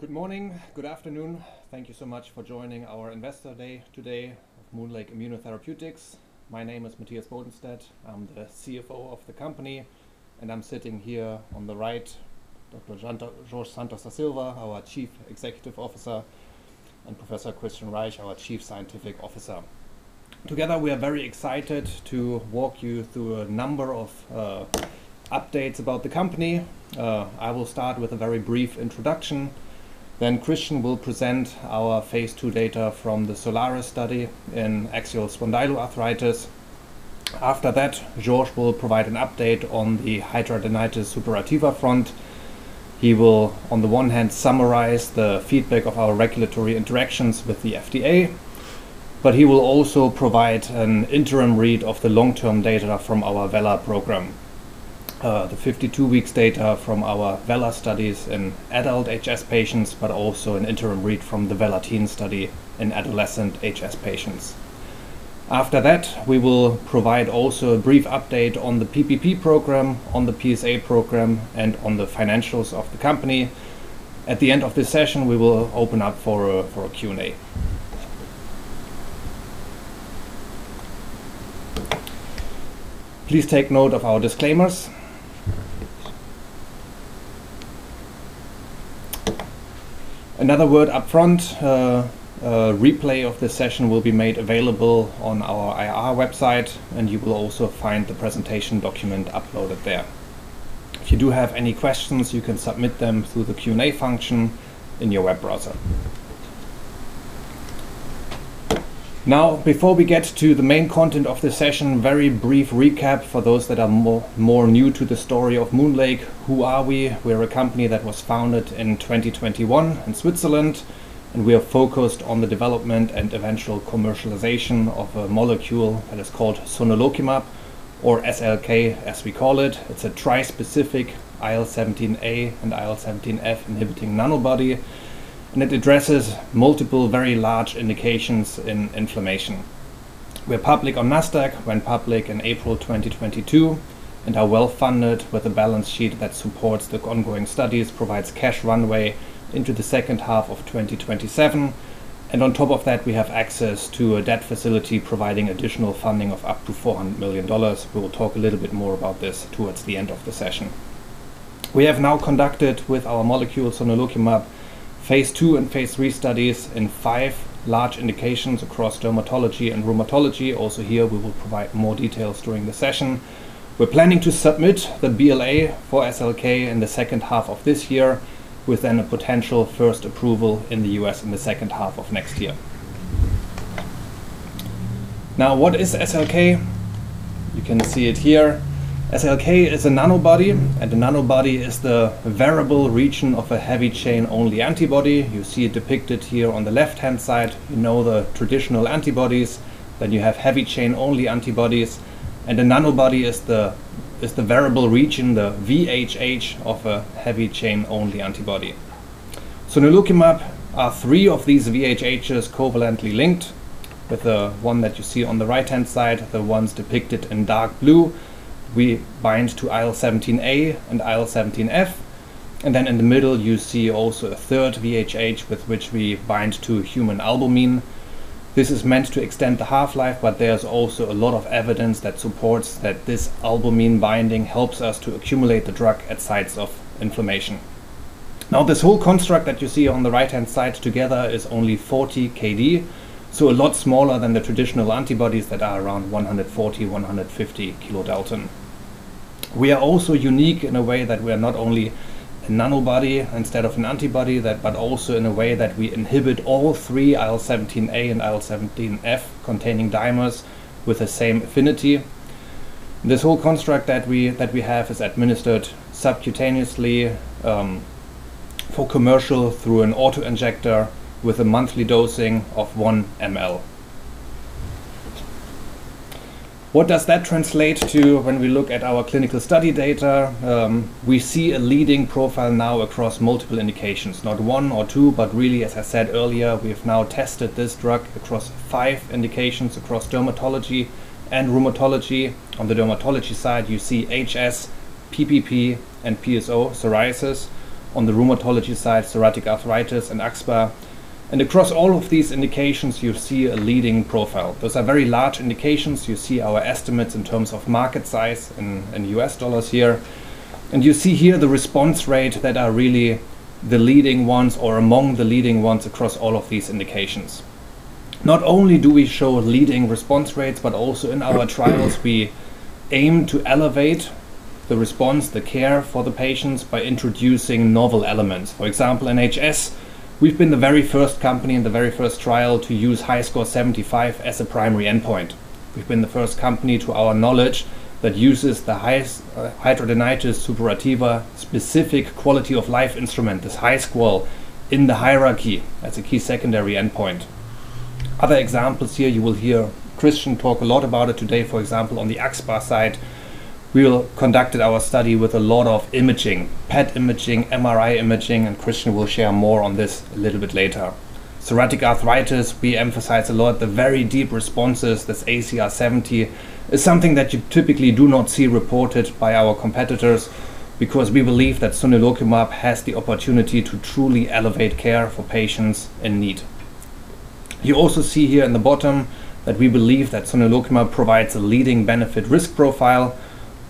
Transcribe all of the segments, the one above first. Good morning, good afternoon. Thank you so much for joining our Investor Day today, MoonLake Immunotherapeutics. My name is Matthias Bodenstedt. I'm the CFO of the company, and I'm sitting here on the right, Dr. Jorge Santos da Silva, our Chief Executive Officer, and Professor Kristian Reich, our Chief Scientific Officer. Together, we are very excited to walk you through a number of updates about the company. I will start with a very brief introduction, then Kristian will present our Phase 2 data from the S-OLARIS study in axial spondyloarthritis. After that, Jorge will provide an update on the hidradenitis suppurativa front. He will, on the one hand, summarize the feedback of our regulatory interactions with the FDA, but he will also provide an interim read of the long-term data from our VELA program. The 52 weeks data from our VELA studies in adult HS patients, but also an interim read from the VELA-TEEN study in adolescent HS patients. After that, we will provide also a brief update on the PPP program, on the PsA program, and on the financials of the company. At the end of this session, we will open up for a Q&A. Please take note of our disclaimers. Another word up front, a replay of this session will be made available on our IR website, and you will also find the presentation document uploaded there. If you do have any questions, you can submit them through the Q&A function in your web browser. Now, before we get to the main content of this session, very brief recap for those that are more, more new to the story of MoonLake. Who are we? We are a company that was founded in 2021 in Switzerland, and we are focused on the development and eventual commercialization of a molecule that is called sonelokimab, or SLK, as we call it. It's a tri-specific IL-17A and IL-17F inhibiting nanobody, and it addresses multiple, very large indications in inflammation. We are public on Nasdaq, went public in April 2022, and are well-funded with a balance sheet that supports the ongoing studies, provides cash runway into the second half of 2027, and on top of that, we have access to a debt facility, providing additional funding of up to $400 million. We will talk a little bit more about this towards the end of the session. We have now conducted with our molecule, sonelokimab, Phase 2 and Phase 3 studies in five large indications across dermatology and rheumatology. Also here, we will provide more details during the session. We're planning to submit the BLA for SLK in the second half of this year, with then a potential first approval in the U.S. in the second half of next year. Now, what is SLK? You can see it here. SLK is a nanobody, and a nanobody is the variable region of a heavy-chain only antibody. You see it depicted here on the left-hand side. You know the traditional antibodies, then you have heavy-chain only antibodies, and a nanobody is the variable region, the VHH of a heavy-chain only antibody. sonelokimab are three of these VHHs covalently linked, with the one that you see on the right-hand side, the ones depicted in dark blue. We bind to IL-17A and IL-17F, and then in the middle, you see also a third VHH, with which we bind to human albumin. This is meant to extend the half-life, but there's also a lot of evidence that supports that this albumin binding helps us to accumulate the drug at sites of inflammation. Now, this whole construct that you see on the right-hand side together is only 40 kDa, so a lot smaller than the traditional antibodies that are around 140, 150 kDa. We are also unique in a way that we are not only a Nanobody instead of an antibody, but also in a way that we inhibit all three IL-17A and IL-17F containing dimers with the same affinity. This whole construct that we, that we have is administered subcutaneously, for commercial through an auto-injector with a monthly dosing of 1 mL. What does that translate to when we look at our clinical study data? We see a leading profile now across multiple indications. Not one or two, but really, as I said earlier, we have now tested this drug across five indications across dermatology and rheumatology. On the dermatology side, you see HS, PPP, and PsO psoriasis. On the rheumatology side, psoriatic arthritis and axSpA. Across all of these indications, you see a leading profile. Those are very large indications. You see our estimates in terms of market size in US dollars here, and you see here the response rate that are really the leading ones or among the leading ones across all of these indications. Not only do we show leading response rates, also in our trials, we aim to elevate the response, the care for the patients, by introducing novel elements. For example, in HS, we've been the very first company in the very first trial to use HiSCR75 as a primary endpoint. We've been the first company, to our knowledge, that uses the highest hidradenitis suppurativa specific quality of life instrument, this HiSCR, in the hierarchy as a key secondary endpoint. Other examples here, you will hear Kristian talk a lot about it today. For example, on the axSpA side, we conducted our study with a lot of imaging, PET imaging, MRI imaging, Kristian will share more on this a little bit later. Psoriatic arthritis, we emphasize a lot, the very deep responses, this ACR70, is something that you typically do not see reported by our competitors, because we believe that sonelokimab has the opportunity to truly elevate care for patients in need. You also see here in the bottom that we believe that sonelokimab provides a leading benefit risk profile.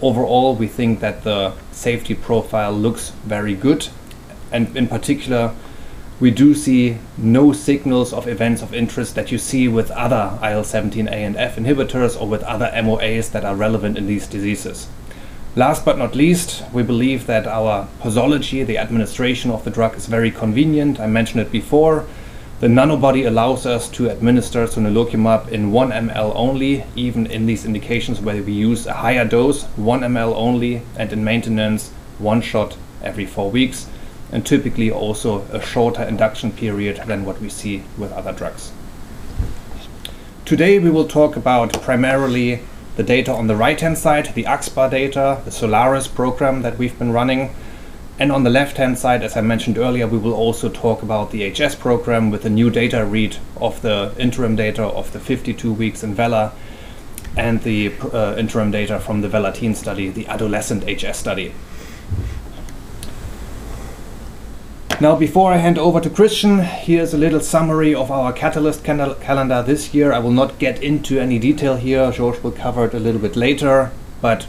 Overall, we think that the safety profile looks very good, and in particular, we do see no signals of events of interest that you see with other IL-17A and IL-17F inhibitors or with other MOAs that are relevant in these diseases. Last but not least, we believe that our posology, the administration of the drug, is very convenient. I mentioned it before, the Nanobody allows us to administer sonelokimab in 1 mL only, even in these indications where we use a higher dose, 1 mL only, and in maintenance, one shot every four weeks, and typically also a shorter induction period than what we see with other drugs. Today, we will talk about primarily the data on the right-hand side, the axSpA data, the S-OLARIS program that we've been running, and on the left-hand side, as I mentioned earlier, we will also talk about the HS program with the new data read of the interim data of the 52 weeks in VELA and the interim data from the VELA-TEEN study, the adolescent HS study. Before I hand over to Kristian, here's a little summary of our catalyst calendar this year. I will not get into any detail here. Jorge will cover it a little bit later, but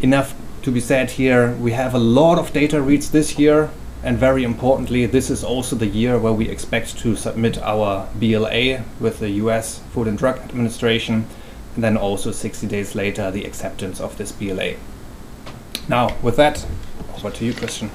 enough to be said here, we have a lot of data reads this year, and very importantly, this is also the year where we expect to submit our BLA with the U.S. Food and Drug Administration, and then also 60 days later, the acceptance of this BLA. With that, over to you, Kristian.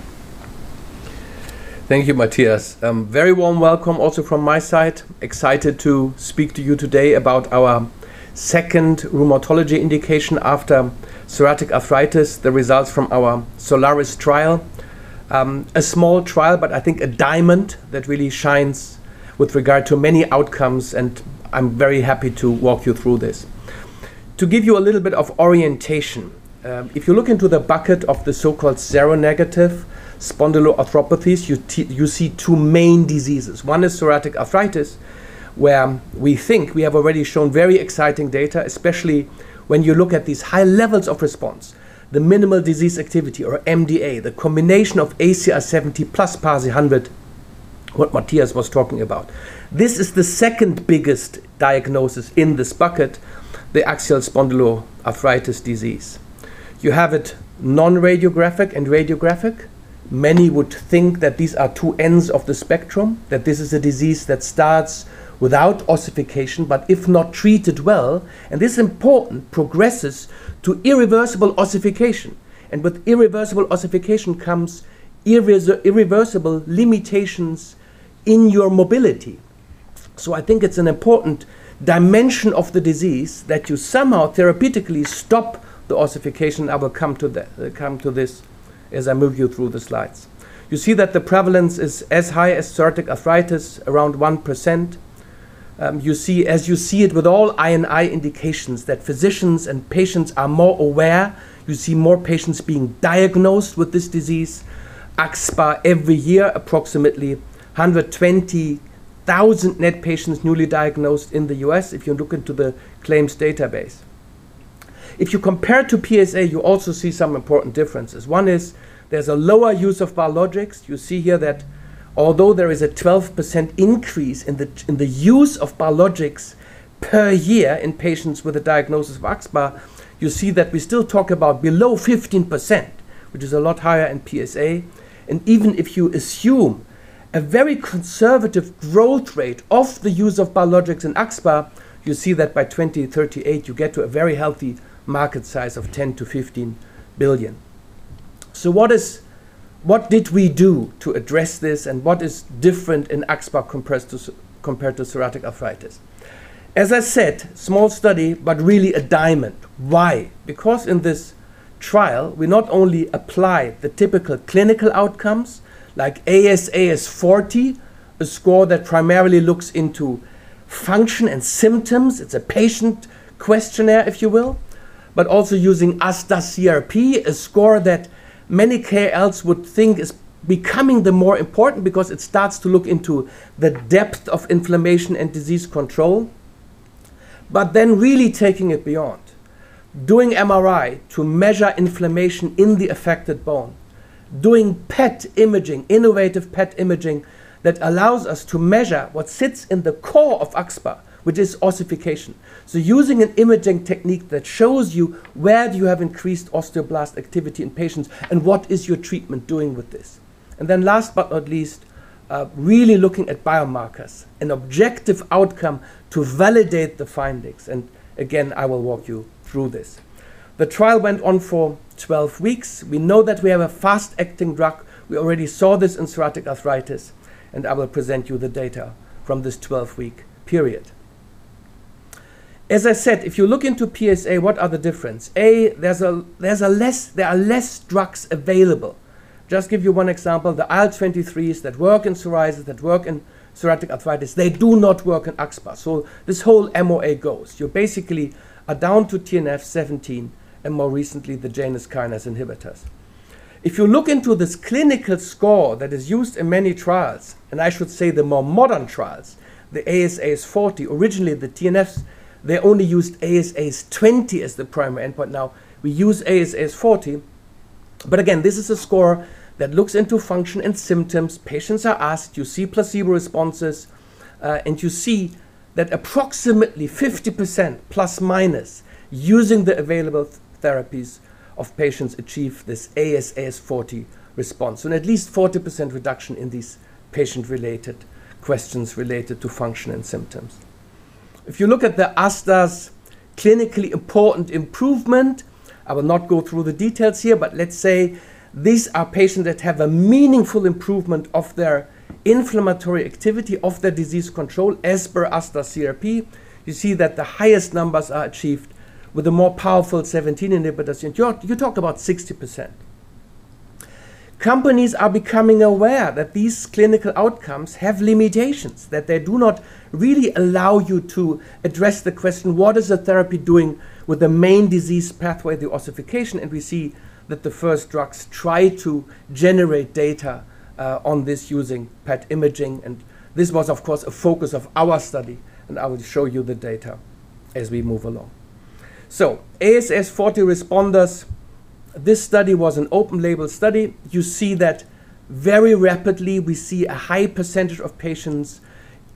Thank you, Matthias. Very warm welcome also from my side. Excited to speak to you today about our second rheumatology indication after psoriatic arthritis, the results from our S-OLARIS trial. A small trial, but I think a diamond that really shines with regard to many outcomes, and I'm very happy to walk you through this. To give you a little bit of orientation, if you look into the bucket of the so-called seronegative spondyloarthropathies, you see two main diseases. One is psoriatic arthritis, where we think we have already shown very exciting data, especially when you look at these high levels of response, the minimal disease activity or MDA, the combination of ACR70 + PASI 100, what Matthias was talking about. This is the second biggest diagnosis in this bucket, the axial spondyloarthritis disease. You have it non-radiographic and radiographic. Many would think that these are two ends of the spectrum, that this is a disease that starts without ossification, if not treated well, and this is important, progresses to irreversible ossification, with irreversible ossification comes irreversible limitations in your mobility. I think it's an important dimension of the disease that you somehow therapeutically stop the ossification. I will come to this as I move you through the slides. You see that the prevalence is as high as psoriatic arthritis, around 1%. You see, as you see it with all I&I indications, that physicians and patients are more aware. You see more patients being diagnosed with this disease, axSpA every year, approximately 120,000 net patients newly diagnosed in the U.S., if you look into the claims database. If you compare to PsA, you also see some important differences. One is there's a lower use of biologics. You see here that although there is a 12% increase in the use of biologics per year in patients with a diagnosis of axSpA, you see that we still talk about below 15%, which is a lot higher in PsA. Even if you assume a very conservative growth rate of the use of biologics in axSpA, you see that by 2038 you get to a very healthy market size of $10 billion-$15 billion. What did we do to address this, and what is different in axSpA compared to psoriatic arthritis? As I said, small study, but really a diamond. Why? Because in this trial, we not only apply the typical clinical outcomes like ASAS40, a score that primarily looks into function and symptoms, it's a patient questionnaire, if you will, but also using ASDAS-CRP, a score that many KOLs would think is becoming the more important because it starts to look into the depth of inflammation and disease control. Then really taking it beyond, doing MRI to measure inflammation in the affected bone. Doing PET imaging, innovative PET imaging, that allows us to measure what sits in the core of axSpA, which is ossification. Using an imaging technique that shows you where you have increased osteoblast activity in patients, and what is your treatment doing with this? Then last but not least, really looking at biomarkers, an objective outcome to validate the findings, and again, I will walk you through this. The trial went on for 12 weeks. We know that we have a fast-acting drug. We already saw this in psoriatic arthritis, and I will present you the data from this 12-week period. As I said, if you look into PsA, what are the difference? A, there's a, there's a there are less drugs available. Just give you one example, the IL-23s that work in psoriasis, that work in psoriatic arthritis, they do not work in axSpA, so this whole MOA goes. You basically are down to TNF 17 and more recently, the Janus kinase inhibitors. If you look into this clinical score that is used in many trials, and I should say the more modern trials, the ASAS40, originally the TNFs, they only used ASAS20 as the primary endpoint. Now, we use ASAS40... But again, this is a score that looks into function and symptoms. Patients are asked, you see placebo responses, and you see that approximately 50% ±, using the available therapies of patients achieve this ASAS40 response, and at least 40% reduction in these patient-related questions related to function and symptoms. If you look at the ASDAS clinically important improvement, I will not go through the details here, but let's say these are patients that have a meaningful improvement of their inflammatory activity, of their disease control as per ASDAS-CRP. You see that the highest numbers are achieved with a more powerful IL-17 inhibitors, and you, you talked about 60%. Companies are becoming aware that these clinical outcomes have limitations, that they do not really allow you to address the question, what is the therapy doing with the main disease pathway, the ossification? We see that the first drugs try to generate data on this using PET imaging, and this was, of course, a focus of our study, and I will show you the data as we move along. ASAS40 responders, this study was an open-label study. You see that very rapidly, we see a high percentage of patients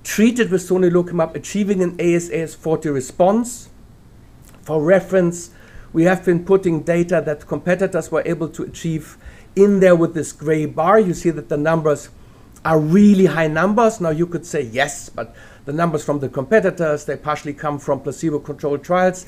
treated with sonelokimab achieving an ASAS40 response. For reference, we have been putting data that competitors were able to achieve in there with this gray bar. You see that the numbers are really high numbers. Now, you could say yes, but the numbers from the competitors, they partially come from placebo-controlled trials.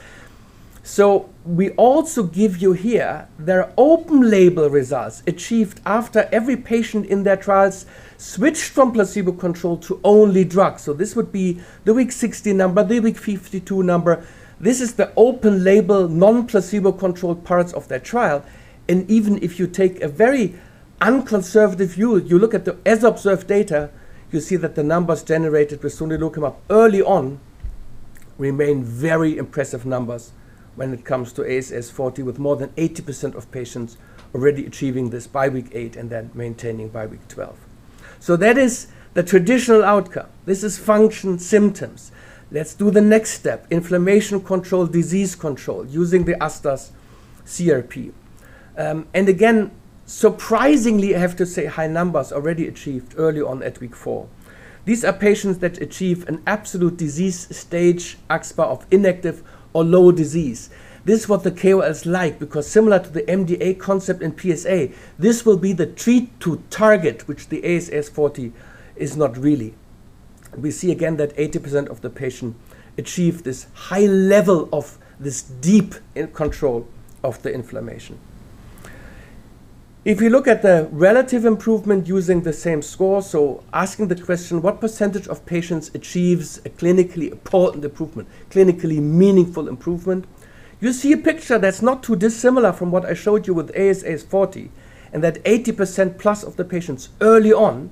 We also give you here their open-label results achieved after every patient in their trials switched from placebo-controlled to only drugs. This would be the week 60 number, the week 52 number. This is the open label, non-placebo-controlled parts of their trial, and even if you take a very unconservative view, you look at the as observed data, you see that the numbers generated with sonelokimab early on remain very impressive numbers when it comes to ASAS40, with more than 80% of patients already achieving this by week eight and then maintaining by week 12. That is the traditional outcome. This is function symptoms. Let's do the next step, inflammation control, disease control, using the ASDAS-CRP. And again, surprisingly, I have to say high numbers already achieved early on at week four. These are patients that achieve an absolute disease stage axSpA of inactive or low disease. This is what the KOLs like, because similar to the MDA concept in PsA, this will be the treat to target, which the ASAS40 is not really. We see again that 80% of the patient achieve this high level of this deep in control of the inflammation. If you look at the relative improvement using the same score, Asking the question, what % of patients achieves a clinically important improvement, clinically meaningful improvement? You see a picture that's not too dissimilar from what I showed you with ASAS40, That 80%+ of the patients early on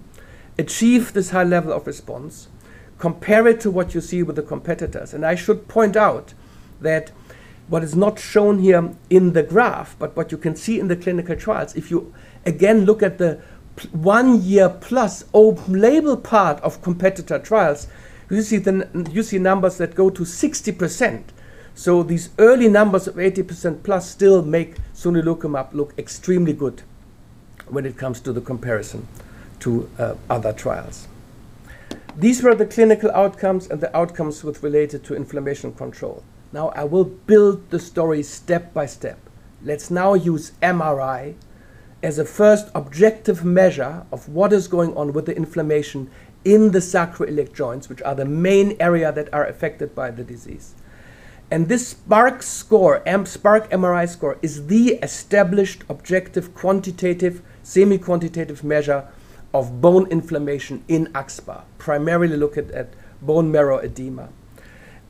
achieve this high level of response. Compare it to what you see with the competitors. I should point out that what is not shown here in the graph, but what you can see in the clinical trials, if you again, look at the one year plus open label part of competitor trials, you see numbers that go to 60%. These early numbers of 80% plus still make sonelokimab look extremely good when it comes to the comparison to other trials. These were the clinical outcomes and the outcomes with related to inflammation control. Now, I will build the story step by step. Let's now use MRI as a first objective measure of what is going on with the inflammation in the sacroiliac joints, which are the main area that are affected by the disease. This SPARCC score, M-- SPARCC MRI score is the established, objective, quantitative, semi-quantitative measure of bone inflammation in axSpA, primarily looking at bone marrow edema.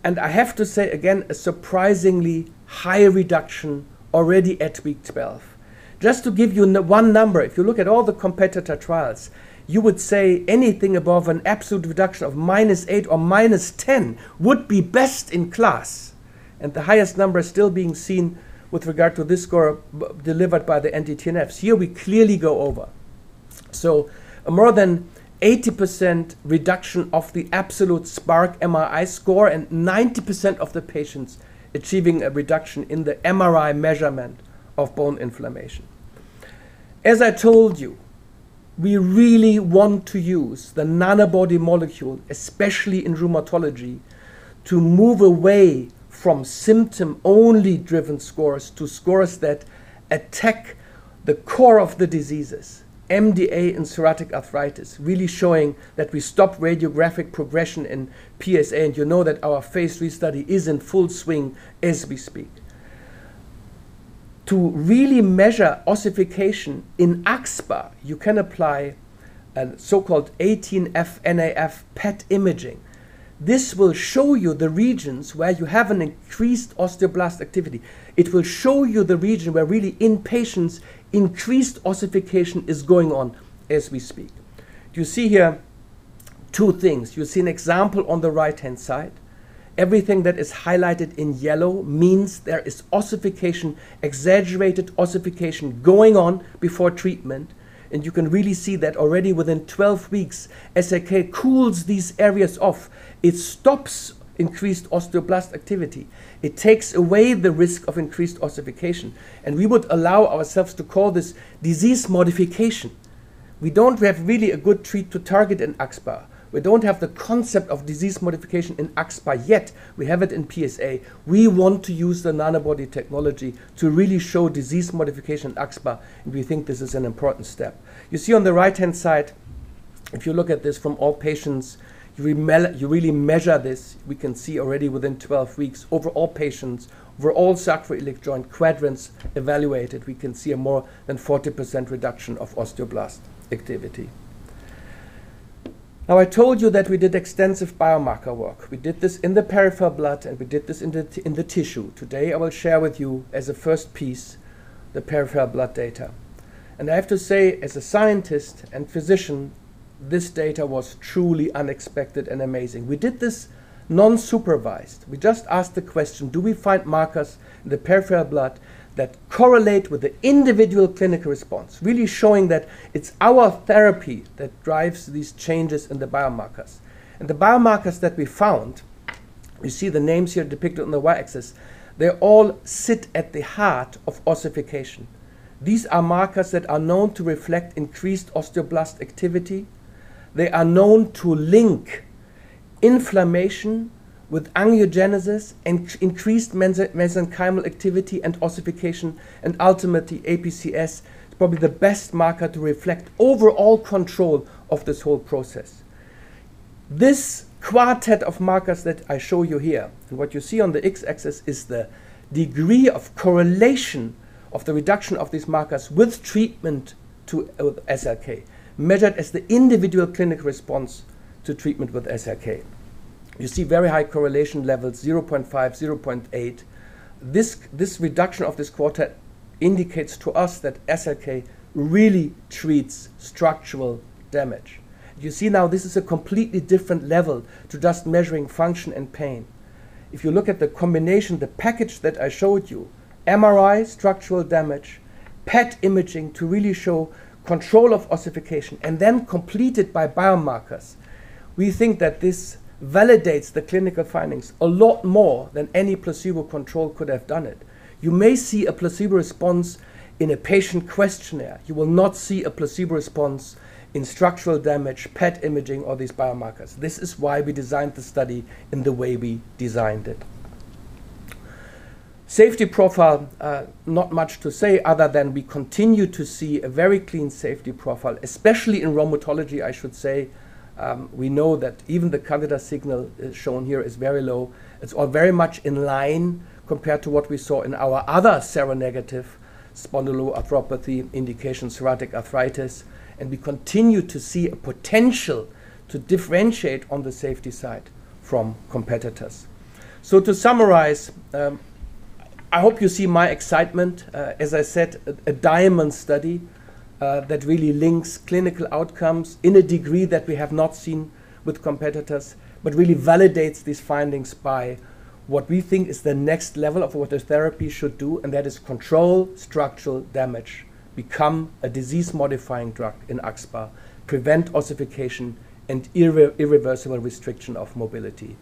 I have to say again, a surprisingly high reduction already at week 12. Just to give you one number, if you look at all the competitor trials, you would say anything above an absolute reduction of -8 or -10 would be best in class, and the highest number is still being seen with regard to this score, delivered by the anti-TNFs. Here, we clearly go over. A more than 80% reduction of the absolute SPARCC MRI score and 90% of the patients achieving a reduction in the MRI measurement of bone inflammation. As I told you, we really want to use the Nanobody molecule, especially in rheumatology, to move away from symptom-only driven scores to scores that attack the core of the diseases. MDA in psoriatic arthritis, really showing that we stop radiographic progression in PsA, and you know that our Phase 3 study is in full swing as we speak. To really measure ossification in axSpA, you can apply a so-called 18F-NaF PET imaging. This will show you the regions where you have an increased osteoblast activity. It will show you the region where really in patients, increased ossification is going on as we speak. You see here two things. You see an example on the right-hand side. Everything that is highlighted in yellow means there is ossification, exaggerated ossification going on before treatment, and you can really see that already within 12 weeks, SLK cools these areas off. It stops increased osteoblast activity. It takes away the risk of increased ossification, and we would allow ourselves to call this disease modification.... we don't have really a good treat to target in axSpA. We don't have the concept of disease modification in axSpA yet. We have it in PsA. We want to use the Nanobody technology to really show disease modification in axSpA. We think this is an important step. You see on the right-hand side, if you look at this from all patients, you really measure this, we can see already within 12 weeks, overall patients, over all sacroiliac joint quadrants evaluated, we can see a more than 40% reduction of osteoblast activity. I told you that we did extensive biomarker work. We did this in the peripheral blood, and we did this in the tissue. Today, I will share with you as a first piece, the peripheral blood data. I have to say, as a scientist and physician, this data was truly unexpected and amazing. We did this non-supervised. We just asked the question: Do we find markers in the peripheral blood that correlate with the individual clinical response? Really showing that it's our therapy that drives these changes in the biomarkers. The biomarkers that we found, you see the names here depicted on the Y-axis, they all sit at the heart of ossification. These are markers that are known to reflect increased osteoblast activity. They are known to link inflammation with angiogenesis and increased mesenchymal activity and ossification, and ultimately, APCS, probably the best marker to reflect overall control of this whole process. This quartet of markers that I show you here, what you see on the X-axis is the degree of correlation of the reduction of these markers with treatment to, with SLK, measured as the individual clinical response to treatment with SLK. You see very high correlation levels, 0.5, 0.8. This reduction of this quartet indicates to us that SLK really treats structural damage. You see now, this is a completely different level to just measuring function and pain. If you look at the combination, the package that I showed you, MRI, structural damage, PET imaging to really show control of ossification, then completed by biomarkers, we think that this validates the clinical findings a lot more than any placebo control could have done it. You may see a placebo response in a patient questionnaire. You will not see a placebo response in structural damage, PET imaging, or these biomarkers. This is why we designed the study in the way we designed it. Safety profile. Not much to say other than we continue to see a very clean safety profile, especially in rheumatology, I should say. We know that even the Candida signal is shown here is very low. It's all very much in line compared to what we saw in our other seronegative spondyloarthropathy indication, psoriatic arthritis, and we continue to see a potential to differentiate on the safety side from competitors. To summarize, I hope you see my excitement, as I said, a diamond study that really links clinical outcomes in a degree that we have not seen with competitors, but really validates these findings by what we think is the next level of what a therapy should do, and that is control structural damage, become a disease-modifying drug in axSpA, prevent ossification and irreversible restriction of mobility.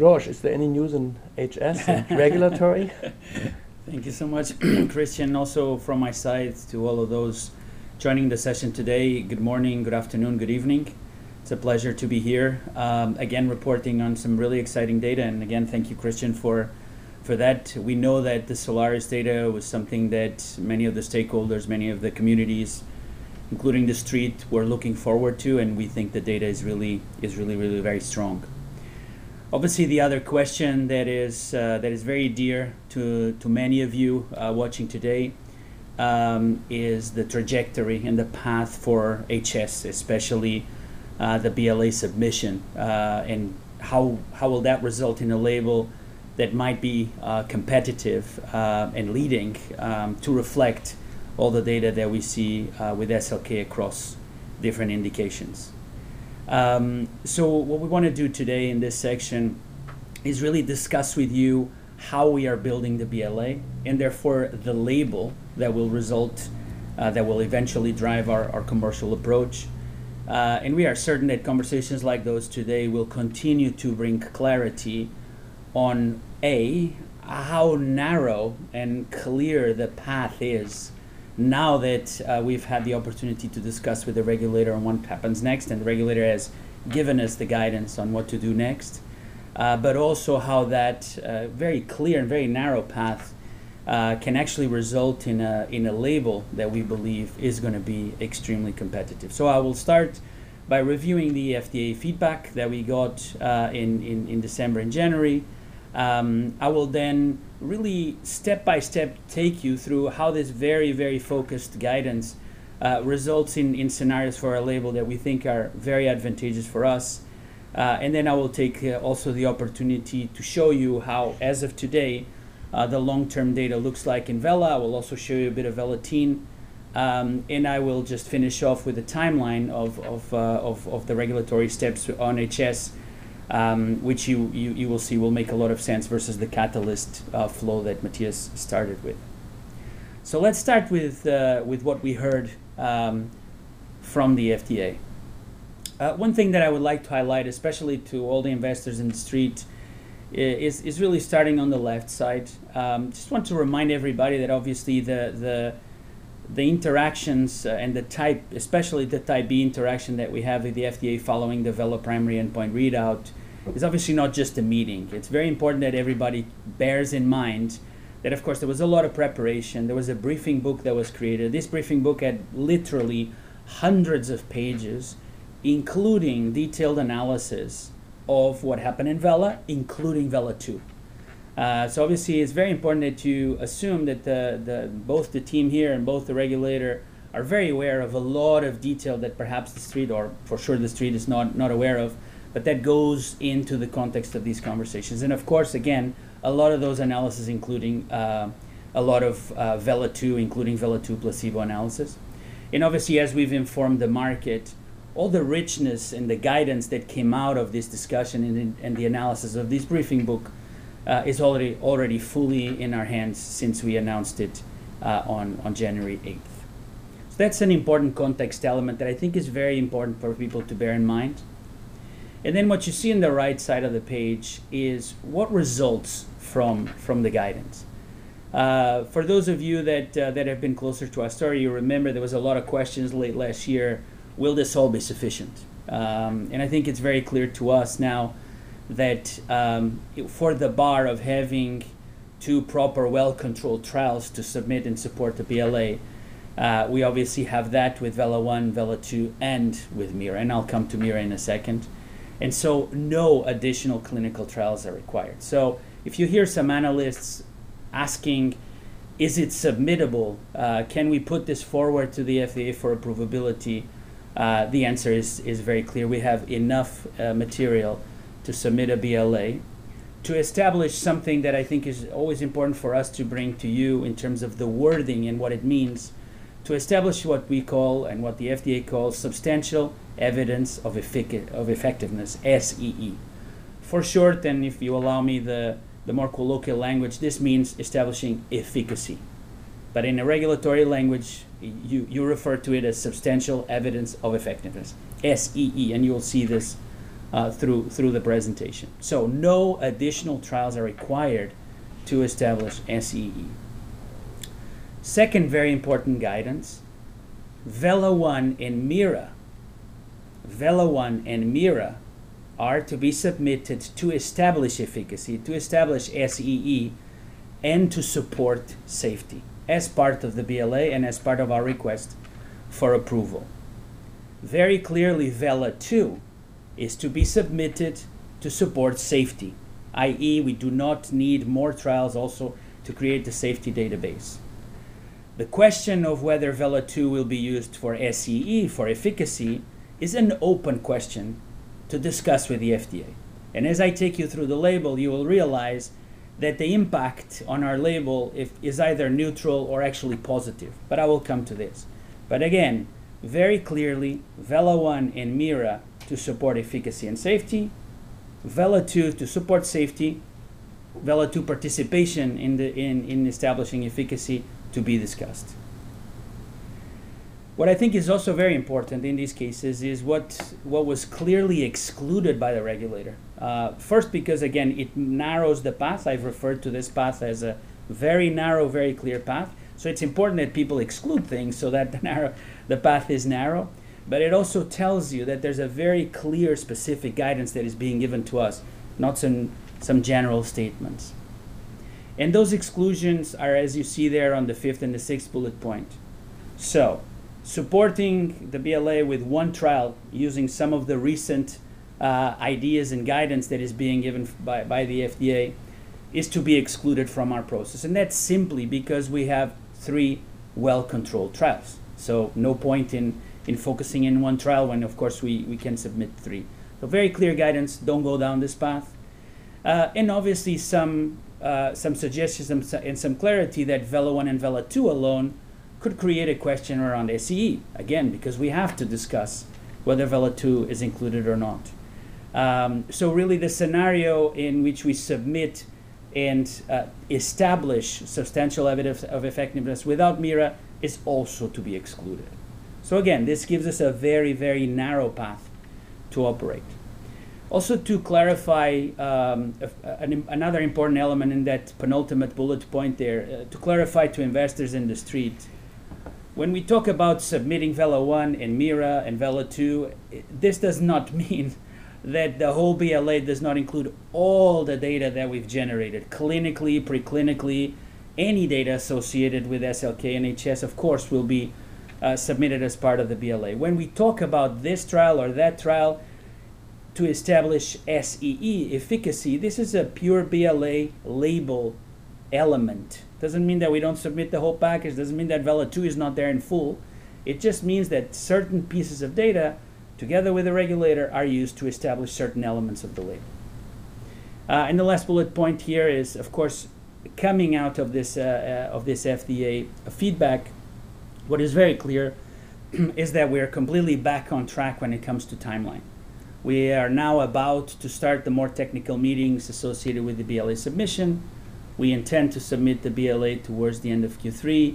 Jorge, is there any news in HS, regulatory? Thank you so much, Kristian. Also, from my side to all of those joining the session today, good morning, good afternoon, good evening. It's a pleasure to be here, again, reporting on some really exciting data. Again, thank you, Kristian, for that. We know that the S-OLARIS data was something that many of the stakeholders, many of the communities, including the street, were looking forward to, and we think the data is really, is really, really very strong. Obviously, the other question that is very dear to many of you watching today, is the trajectory and the path for HS, especially the BLA submission, and how, how will that result in a label that might be competitive and leading to reflect all the data that we see with SLK across different indications? What we wanna do today in this section is really discuss with you how we are building the BLA, and therefore, the label that will result, that will eventually drive our, our commercial approach. We are certain that conversations like those today will continue to bring clarity on, A, how narrow and clear the path is now that we've had the opportunity to discuss with the regulator on what happens next, and the regulator has given us the guidance on what to do next. Also how that very clear and very narrow path can actually result in a label that we believe is gonna be extremely competitive. I will start by reviewing the FDA feedback that we got in December and January. I will then really step by step, take you through how this very, very focused guidance results in scenarios for our label that we think are very advantageous for us. I will take also the opportunity to show you how, as of today, the long-term data looks like in VELA. I will also show you a bit of VELA-TEEN. I will just finish off with a timeline of the regulatory steps on HS, which you will see will make a lot of sense versus the catalyst flow that Matthias started with. Let's start with what we heard from the FDA. One thing that I would like to highlight, especially to all the investors in the street, is really starting on the left side. Just want to remind everybody that obviously the, the, the interactions, and the type, especially the Type B interaction that we have with the FDA following the VELA primary endpoint readout, is obviously not just a meeting. It's very important that everybody bears in mind that, of course, there was a lot of preparation. There was a briefing book that was created. This briefing book had literally hundreds of pages, including detailed analysis of what happened in VELA, including VELA-2. So obviously, it's very important that you assume that both the team here and both the regulator are very aware of a lot of detail that perhaps the street or for sure, the street is not, not aware of, but that goes into the context of these conversations. Of course, again, a lot of those analyses, including a lot of VELA-2, including VELA-2 placebo analysis. Obviously, as we've informed the market, all the richness and the guidance that came out of this discussion and the analysis of this briefing book is already, already fully in our hands since we announced it on January 8. That's an important context element that I think is very important for people to bear in mind. What you see on the right side of the page is what results from the guidance. For those of you that have been closer to our story, you remember there was a lot of questions late last year: Will this all be sufficient? I think it's very clear to us now that for the bar of having two proper, well-controlled trials to submit and support the BLA, we obviously have that with VELA-1, VELA-2, and with MIRA, and I'll come to MIRA in a second. No additional clinical trials are required. If you hear some analysts asking: Is it submittable? Can we put this forward to the FDA for approvability? The answer is, is very clear. We have enough material to submit a BLA. To establish something that I think is always important for us to bring to you in terms of the wording and what it means, to establish what we call and what the FDA calls substantial evidence of effica- of effectiveness, SEE. For short, if you allow me the, the more colloquial language, this means establishing efficacy. In a regulatory language, you, you refer to it as substantial evidence of effectiveness, SEE, and you will see this through, through the presentation. No additional trials are required to establish SEE. Second very important guidance, VELA-1 and MIRA. VELA-1 and MIRA are to be submitted to establish efficacy, to establish SEE, and to support safety as part of the BLA and as part of our request for approval. Very clearly, VELA-2 is to be submitted to support safety, i.e., we do not need more trials also to create the safety database. The question of whether VELA-2 will be used for SEE, for efficacy, is an open question to discuss with the FDA. As I take you through the label, you will realize that the impact on our label is either neutral or actually positive, I will come to this. Again, very clearly, VELA-1 and MIRA to support efficacy and safety, VELA-2 to support safety, VELA-2 participation in the, in establishing efficacy to be discussed. What I think is also very important in these cases is what was clearly excluded by the regulator. First, because again, it narrows the path. I've referred to this path as a very narrow, very clear path. It's important that people exclude things so that the path is narrow. It also tells you that there's a very clear, specific guidance that is being given to us, not some, some general statements. Those exclusions are, as you see there, on the 5th and the 6th bullet point. Supporting the BLA with 1 trial, using some of the recent ideas and guidance that is being given by the FDA, is to be excluded from our process, and that's simply because we have three well-controlled trials. No point in focusing in one trial when, of course, we can submit three. Very clear guidance, don't go down this path. And obviously, some suggestions and some clarity that VELA-1 and VELA-2 alone could create a question around SEE, again, because we have to discuss whether VELA-2 is included or not. Really, the scenario in which we submit and establish substantial evidence of effectiveness without MIRA is also to be excluded. Again, this gives us a very, very narrow path to operate. Also, to clarify, a, an, another important element in that penultimate bullet point there, to clarify to investors in the street, when we talk about submitting VELA-1 and MIRA and VELA-2, this does not mean that the whole BLA does not include all the data that we've generated. Clinically, pre-clinically, any data associated with SLK in HS, of course, will be submitted as part of the BLA. When we talk about this trial or that trial to establish SEE, efficacy, this is a pure BLA label element. Doesn't mean that we don't submit the whole package, doesn't mean that VELA-2 is not there in full. It just means that certain pieces of data, together with the regulator, are used to establish certain elements of the label. The last bullet point here is, of course, coming out of this FDA feedback, what is very clear is that we are completely back on track when it comes to timelines. We are now about to start the more technical meetings associated with the BLA submission. We intend to submit the BLA towards the end of Q3,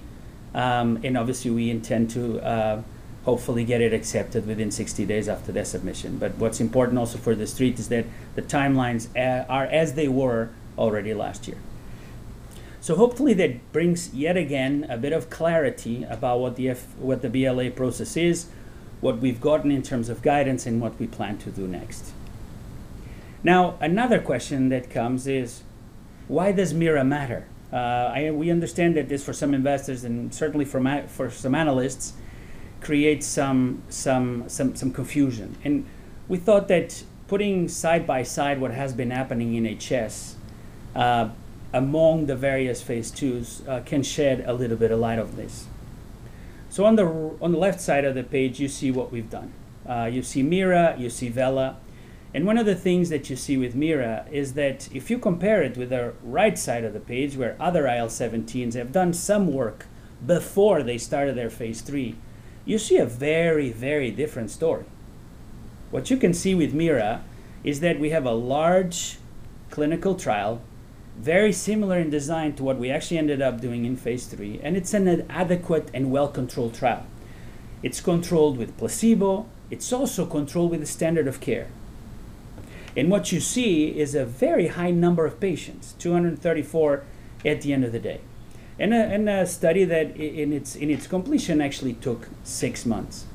obviously, we intend to hopefully get it accepted within 60 days after the submission. What's important also for the street is that the timelines are as they were already last year. Hopefully, that brings, yet again, a bit of clarity about what the BLA process is, what we've gotten in terms of guidance, and what we plan to do next. Another question that comes is: Why does MIRA matter? I-- we understand that this, for some investors, and certainly for some analysts, creates some confusion. We thought that putting side by side what has been happening in HS, among the various Phase 2s, can shed a little bit of light on this. On the r-- on the left side of the page, you see what we've done. You see MIRA, you see VELA. One of the things that you see with MIRA is that if you compare it with the right side of the page, where other IL-17s have done some work before they started their Phase 3, you see a very, very different story. What you can see with MIRA is that we have a large clinical trial, very similar in design to what we actually ended up doing in Phase 3, it's an adequate and well-controlled trial. It's controlled with placebo. It's also controlled with the standard of care. What you see is a very high number of patients, 234 at the end of the day, in a, in a study that in its, in its completion, actually took six months.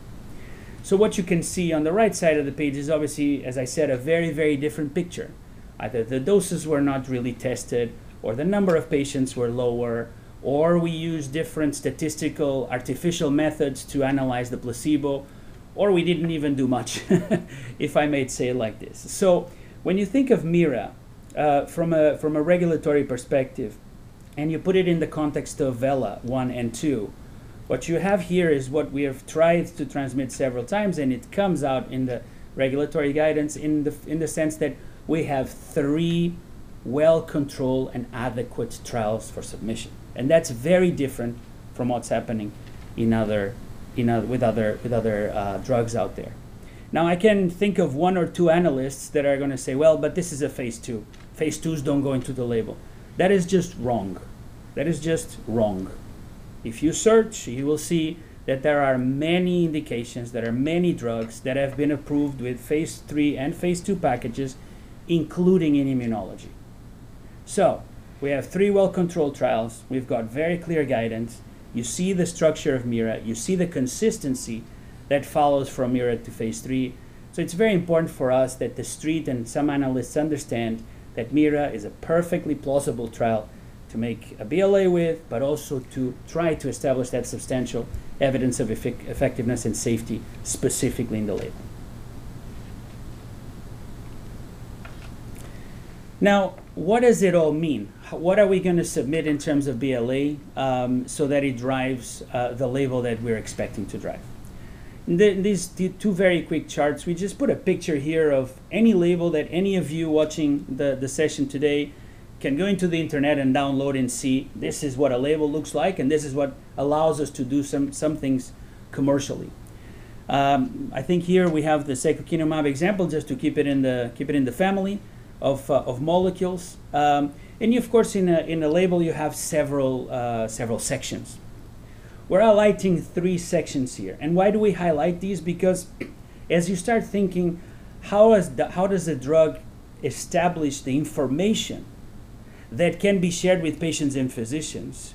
What you can see on the right side of the page is, obviously, as I said, a very, very different picture. Either the doses were not really tested, or the number of patients were lower, or we used different statistical artificial methods to analyze the placebo, or we didn't even do much, if I may say it like this. When you think of MIRA from a regulatory perspective, and you put it in the context of VELA-1 and 2, what you have here is what we have tried to transmit several times, and it comes out in the regulatory guidance in the sense that we have three well-controlled and adequate trials for submission, and that's very different from what's happening in other with other drugs out there. I can think of one or two analysts that are gonna say, "Well, but this is a Phase 2. Phase 2s don't go into the label." That is just wrong. That is just wrong. If you search, you will see that there are many indications, there are many drugs that have been approved with Phase 3 and Phase 2 packages, including in immunology. We have three well-controlled trials. We've got very clear guidance. You see the structure of MIRA. You see the consistency that follows from MIRA to Phase 3. It's very important for us that the street and some analysts understand that MIRA is a perfectly plausible trial to make a BLA with, but also to try to establish that substantial evidence of effectiveness and safety, specifically in the label. Now, what does it all mean? What are we gonna submit in terms of BLA so that it drives, the label that we're expecting to drive? These two very quick charts, we just put a picture here of any label that any of you watching the, the session today can go into the internet and download and see. This is what a label looks like, and this is what allows us to do some, some things commercially. I think here we have the secukinumab example, just to keep it in the, keep it in the family of molecules. You, of course, in a label, you have several sections. We're highlighting three sections here. Why do we highlight these? Because as you start thinking, how does a drug establish the information that can be shared with patients and physicians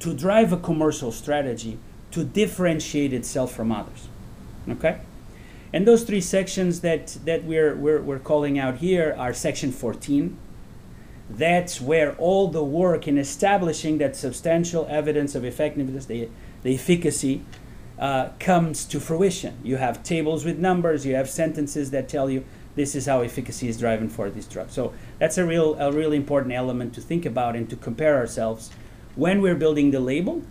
to drive a commercial strategy to differentiate itself from others, okay? Those three sections that we're calling out here are Section 14. That's where all the work in establishing that substantial evidence of effectiveness, the efficacy, comes to fruition. You have tables with numbers, you have sentences that tell you, "This is how efficacy is driving for this drug." That's a really important element to think about and to compare ourselves when we're building the label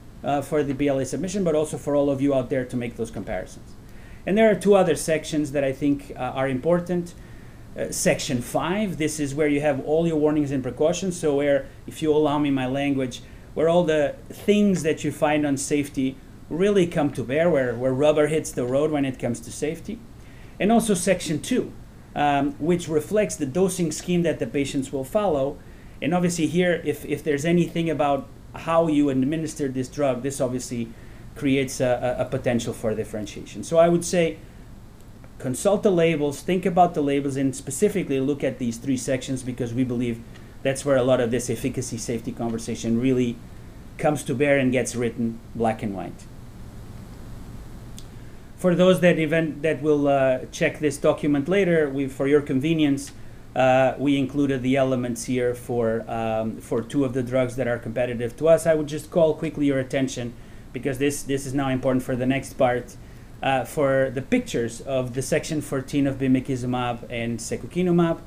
for the BLA submission, but also for all of you out there to make those comparisons. There are two other sections that I think are important. Section 5, this is where you have all your warnings and precautions. Where, if you allow me my language, where all the things that you find on safety really come to bear, where, where rubber hits the road when it comes to safety. Also Section 2, which reflects the dosing scheme that the patients will follow. Obviously, here, if there's anything about how you administer this drug, this obviously creates a potential for differentiation. I would say consult the labels, think about the labels, and specifically look at these three sections because we believe that's where a lot of this efficacy, safety conversation really comes to bear and gets written black and white. For those that will check this document later, we've, for your convenience, we included the elements here for two of the drugs that are competitive to us. I would just call quickly your attention because this is now important for the next part. For the pictures of the Section 14 of bimekizumab and secukinumab,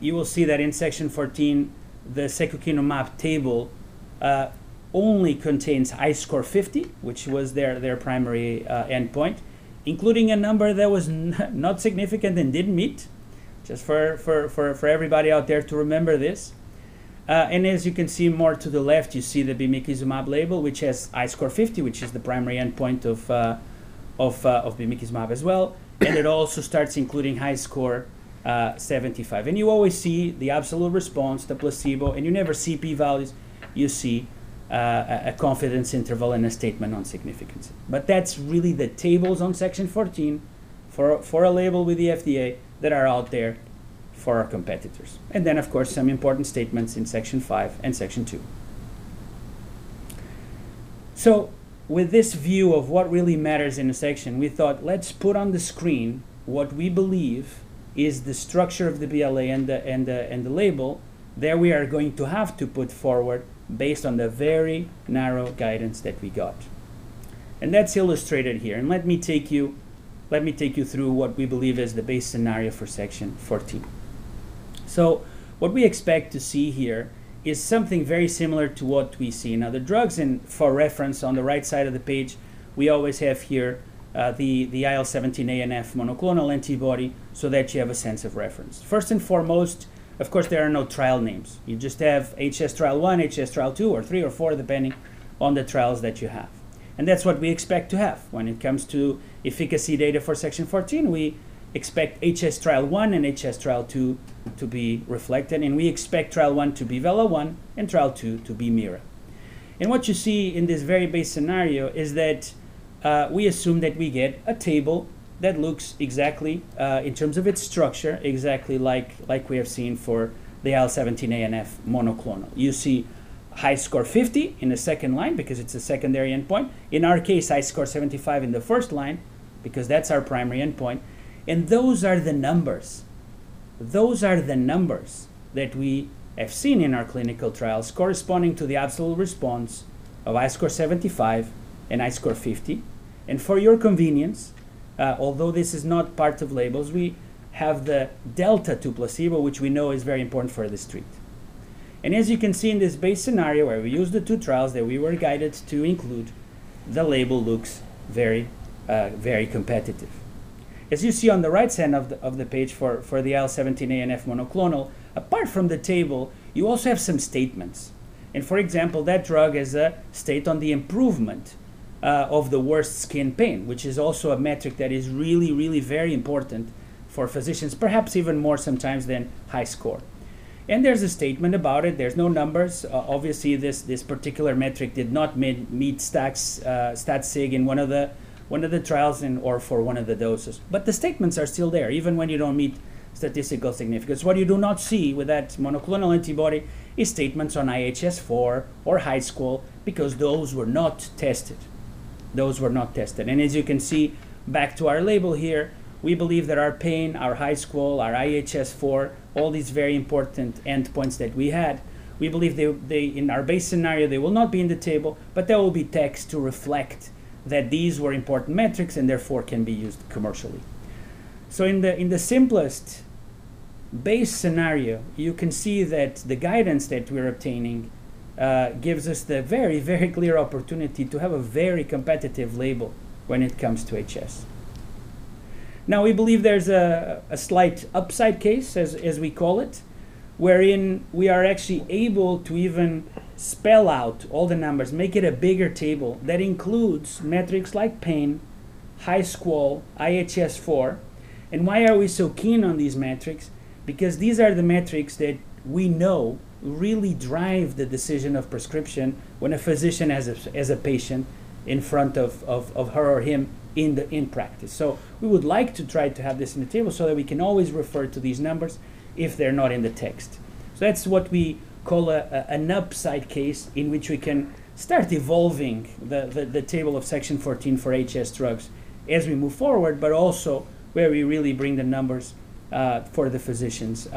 you will see that in Section 14, the secukinumab table only contains HiSCR50, which was their primary endpoint, including a number that was not significant and didn't meet, just for everybody out there to remember this. As you can see more to the left, you see the bimekizumab label, which has HiSCR50, which is the primary endpoint of bimekizumab as well. It also starts including HiSCR75. You always see the absolute response to placebo, and you never see p-values, you see a confidence interval and a statement on significance. That's really the tables on Section 14 for a label with the FDA that are out there for our competitors. Then, of course, some important statements in Section 5 and Section 2. With this view of what really matters in a section, we thought, let's put on the screen what we believe is the structure of the BLA and the label that we are going to have to put forward based on the very narrow guidance that we got. That's illustrated here. Let me take you, let me take you through what we believe is the base scenario for Section 14. What we expect to see here is something very similar to what we see. Now, the drugs in for reference, on the right side of the page, we always have here, the IL-17A and F monoclonal antibody, so that you have a sense of reference. First and foremost, of course, there are no trial names. You just have HS Trial 1, HS Trial 2 or 3 or 4, depending on the trials that you have. That's what we expect to have. When it comes to efficacy data for Section 14, we expect HS Trial 1 and HS Trial 2 to be reflected, we expect Trial 1 to be VELA-1 and Trial 2 to be MIRA. What you see in this very base scenario is that we assume that we get a table that looks exactly in terms of its structure, exactly like, like we have seen for the IL-17A and F monoclonal. You see HiSCR50 in the second line because it's a secondary endpoint. In our case, HiSCR75 in the first line, because that's our primary endpoint, those are the numbers. Those are the numbers that we have seen in our clinical trials corresponding to the absolute response of HiSCR75 and HiSCR50. For your convenience, although this is not part of labels, we have the delta to placebo, which we know is very important for the street. As you can see in this base scenario, where we use the two trials that we were guided to include, the label looks very, very competitive. As you see on the right side of the, of the page for, for the IL-17A and IL-17F monoclonal antibody, apart from the table, you also have some statements. For example, that drug is a state on the improvement of the worst skin pain, which is also a metric that is really, really very important for physicians, perhaps even more sometimes than HiSCR. There's a statement about it. There's no numbers. Obviously, this, this particular metric did not meet stats, stat sig in one of the trials and or for one of the doses. The statements are still there, even when you don't meet statistical significance. What you do not see with that monoclonal antibody is statements on IHS4 or HiSCR, because those were not tested. Those were not tested. As you can see, back to our label here, we believe that our pain, our HiSCR, our IHS4, all these very important endpoints that we had, we believe they in our base scenario, they will not be in the table, but there will be text to reflect that these were important metrics and therefore can be used commercially. In the, in the simplest base scenario, you can see that the guidance that we're obtaining, gives us the very, very clear opportunity to have a very competitive label when it comes to HS. We believe there's a, a slight upside case, as, as we call it, wherein we are actually able to even spell out all the numbers, make it a bigger table that includes metrics like pain, HiSCR, IHS4. Why are we so keen on these metrics? Because these are the metrics that we know really drive the decision of prescription when a physician has a, has a patient in front of, of, of her or him in the practice. We would like to try to have this in the table so that we can always refer to these numbers if they're not in the text. That's what we call a, a, an upside case in which we can start evolving the, the, the table of Section 14 for HS drugs as we move forward, but also where we really bring the numbers for the physicians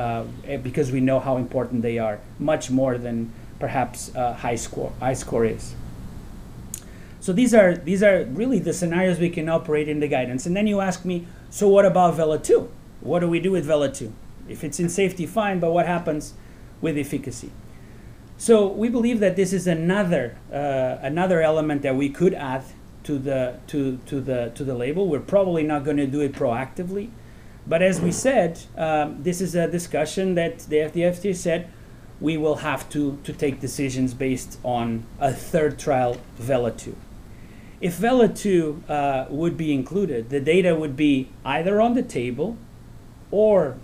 because we know how important they are, much more than perhaps I-score, I-score is. These are, these are really the scenarios we can operate in the guidance. You ask me, "So what about VELA-2? What do we do with VELA-2? If it's in safety, fine, but what happens with efficacy?" We believe that this is another, another element that we could add to the, to, to the, to the label. We're probably not gonna do it proactively, but as we said, this is a discussion that the FDA said we will have to, to take decisions based on a third trial, VELA-2. If VELA-2 would be included, the data would be either on the table or,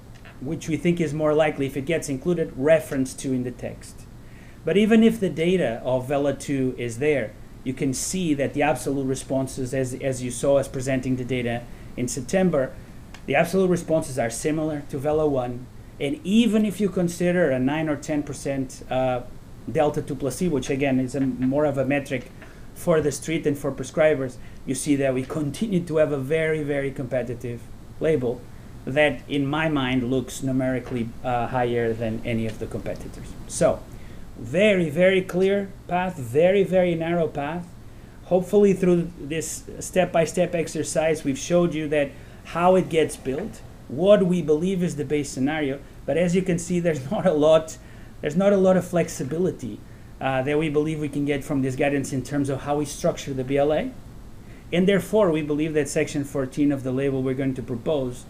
which we think is more likely, if it gets included, referenced to in the text. Even if the data of VELA-2 is there, you can see that the absolute responses, as, as you saw us presenting the data in September, the absolute responses are similar to VELA-1. Even if you consider a nine or 10% delta to placebo, which again, is more of a metric for the street than for prescribers, you see that we continue to have a very, very competitive label that, in my mind, looks numerically higher than any of the competitors. Very, very clear path, very, very narrow path. Hopefully, through this step-by-step exercise, we've showed you that how it gets built, what we believe is the base scenario. As you can see, there's not a lot, there's not a lot of flexibility that we believe we can get from this guidance in terms of how we structure the BLA. Therefore, we believe that Section 14 of the label we're going to propose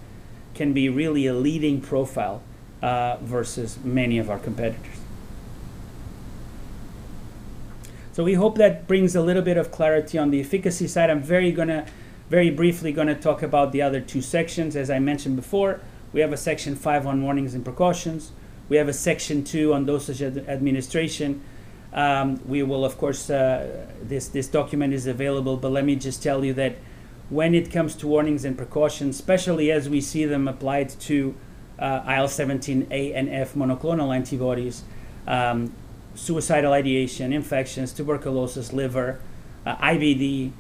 can be really a leading profile versus many of our competitors. We hope that brings a little bit of clarity on the efficacy side. I'm very briefly gonna talk about the other two sections. As I mentioned before, we have a Section 5 on warnings and precautions. We have a Section 2 on dosage administration. We will, of course, this, this document is available, let me just tell you that when it comes to warnings and precautions, especially as we see them applied to IL-17A and IL-17F monoclonal antibodies, suicidal ideation, infections, tuberculosis, liver, IBD,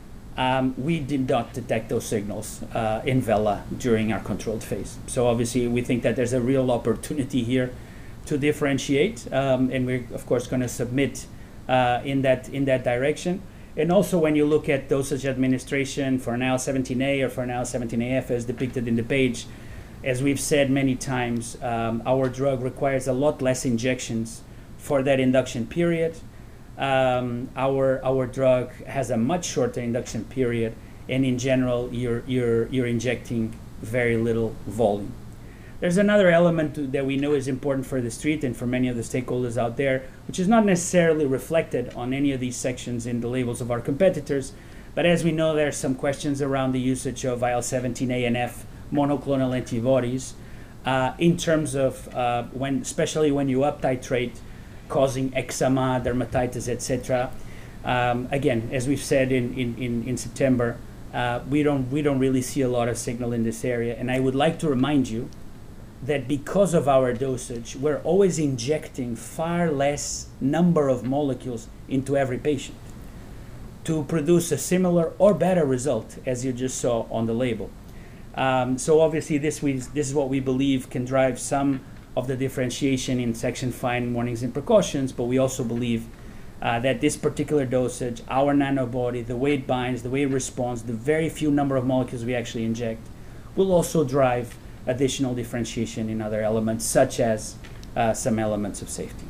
we did not detect those signals in VELA during our controlled Phase. Obviously, we think that there's a real opportunity here to differentiate, and we're, of course, gonna submit in that, in that direction. Also, when you look at dosage administration for an IL-17A or for an IL-17F, as depicted in the page, as we've said many times, our drug requires a lot less injections for that induction period. Our, our drug has a much shorter induction period, and in general, you're, you're, you're injecting very little volume. There's another element that we know is important for the street and for many of the stakeholders out there, which is not necessarily reflected on any of these sections in the labels of our competitors. As we know, there are some questions around the usage of IL-17A and F monoclonal antibodies in terms of, especially when you uptitrate, causing eczema, dermatitis, etc. Again, as we've said in September, we don't, we don't really see a lot of signal in this area. I would like to remind you that because of our dosage, we're always injecting far less number of molecules into every patient to produce a similar or better result, as you just saw on the label. Obviously, this is what we believe can drive some of the differentiation in Section 5, warnings and precautions. We also believe that this particular dosage, our nanobody, the way it binds, the way it responds, the very few number of molecules we actually inject, will also drive additional differentiation in other elements, such as some elements of safety.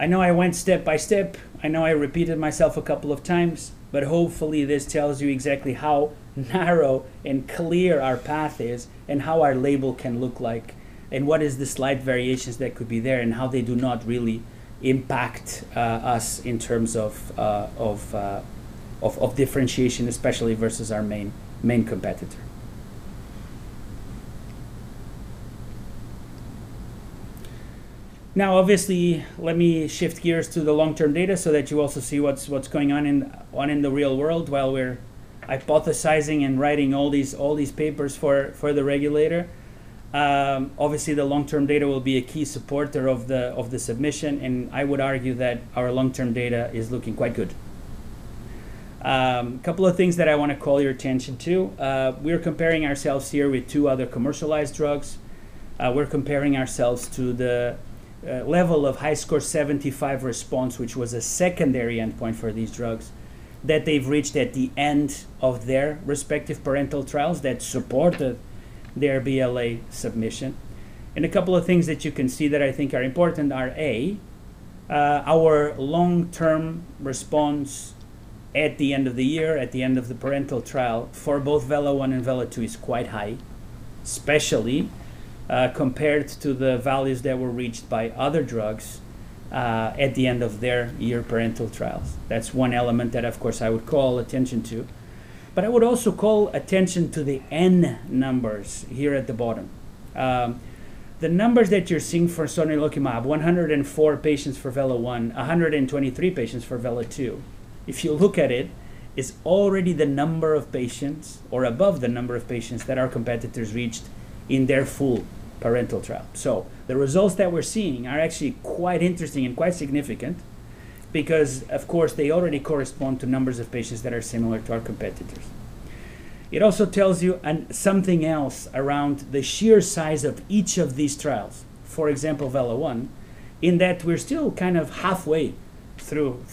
I know I went step by step. I know I repeated myself a couple of times, but hopefully, this tells you exactly how narrow and clear our path is and how our label can look like, and what is the slight variations that could be there, and how they do not really impact us in terms of of differentiation, especially versus our main, main competitor. Obviously, let me shift gears to the long-term data so that you also see what's, what's going on in, on in the real world while we're hypothesizing and writing all these, all these papers for, for the regulator. Obviously, the long-term data will be a key supporter of the, of the submission. I would argue that our long-term data is looking quite good. A couple of things that I wanna call your attention to. We're comparing ourselves here with two other commercialized drugs. We're comparing ourselves to the level of HiSCR75 response, which was a secondary endpoint for these drugs, that they've reached at the end of their respective parental trials that supported their BLA submission. A couple of things that you can see that I think are important are, A, our long-term response at the end of the year, at the end of the parental trial, for both VELA-1 and VELA-2 is quite high, especially, compared to the values that were reached by other drugs, at the end of their year parental trials. That's one element that, of course, I would call attention to. I would also call attention to the N numbers here at the bottom. The numbers that you're seeing for sonelokimab, 104 patients for VELA-1, 123 patients for VELA-2. If you look at it, it's already the number of patients or above the number of patients that our competitors reached in their full parental trial. The results that we're seeing are actually quite interesting and quite significant because, of course, they already correspond to numbers of patients that are similar to our competitors. It also tells you, and something else, around the sheer size of each of these trials. For example, VELA-1, in that we're still kind of halfway through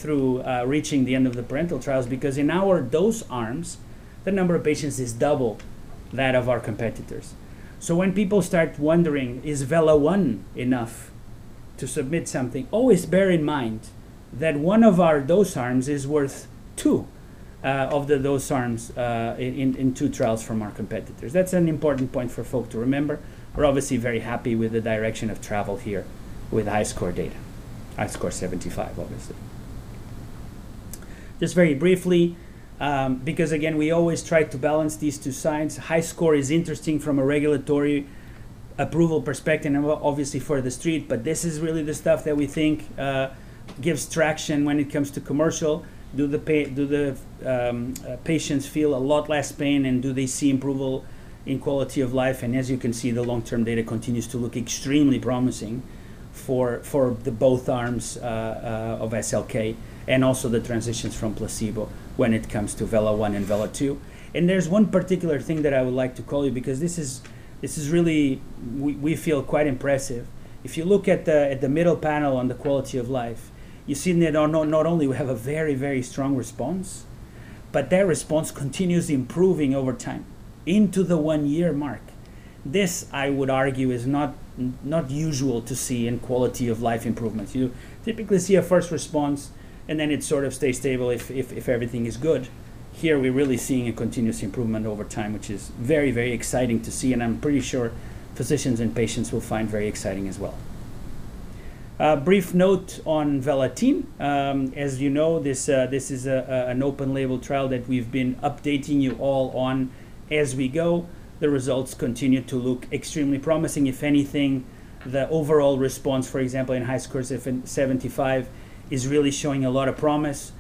reaching the end of the parental trials, because in our dose arms, the number of patients is double that of our competitors. When people start wondering, "Is VELA-1 enough to submit something?" Always bear in mind that one of our dose arms is worth two of the dose arms in two trials from our competitors. That's an important point for folk to remember. We're obviously very happy with the direction of travel here with HiSCR data. HiSCR75, obviously. Just very briefly, because again, we always try to balance these two sides. HiSCR is interesting from a regulatory approval perspective and obviously for the street, but this is really the stuff that we think gives traction when it comes to commercial. Do the patients feel a lot less pain, and do they see improvement in quality of life? As you can see, the long-term data continues to look extremely promising for, for the both arms of SLK and also the transitions from placebo when it comes to VELA-1 and VELA-2. There's one particular thing that I would like to call you, because this is, this is really... we, we feel, quite impressive. If you look at the, at the middle panel on the quality of life, you've seen that not, not only we have a very, very strong response, but that response continues improving over time into the one-year mark. This, I would argue, is not, not usual to see in quality of life improvements. You typically see a first response, and then it sort of stays stable if, if, if everything is good. Here, we're really seeing a continuous improvement over time, which is very, very exciting to see, and I'm pretty sure physicians and patients will find very exciting as well. A brief note on VELA-TEEN. As you know, this, this is a, an open-label trial that we've been updating you all on as we go. The results continue to look extremely promising. If anything, the overall response, for example, in HiSCR 75, is really showing a lot of promise.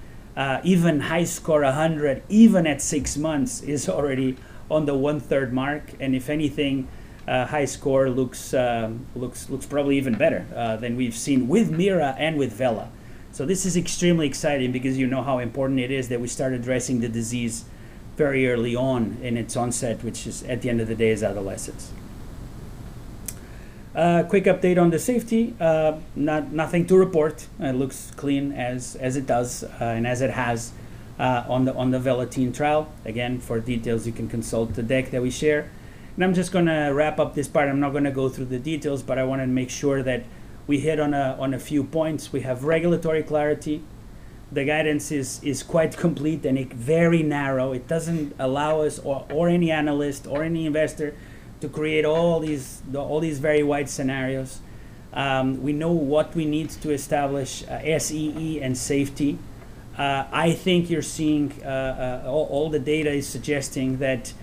Even HiSCR 100, even at six months, is already on the 1/3 mark, and if anything, HiSCR looks, looks, looks probably even better, than we've seen with MIRA and with VELA. So this is extremely exciting because you know how important it is that we start addressing the disease very early on in its onset, which is, at the end of the day, is adolescence. Quick update on the safety. Nothing to report. It looks clean as, as it does, and as it has, on the, on the VELA-TEEN trial. Again, for details, you can consult the deck that we share. I'm just gonna wrap up this part. I'm not gonna go through the details, but I wanted to make sure that we hit on a, on a few points. We have regulatory clarity. The guidance is, is quite complete and it very narrow. It doesn't allow us or, or any analyst or any investor to create all these, the all these very wide scenarios. We know what we need to establish SEE and safety. I think you're seeing all, all the data is suggesting that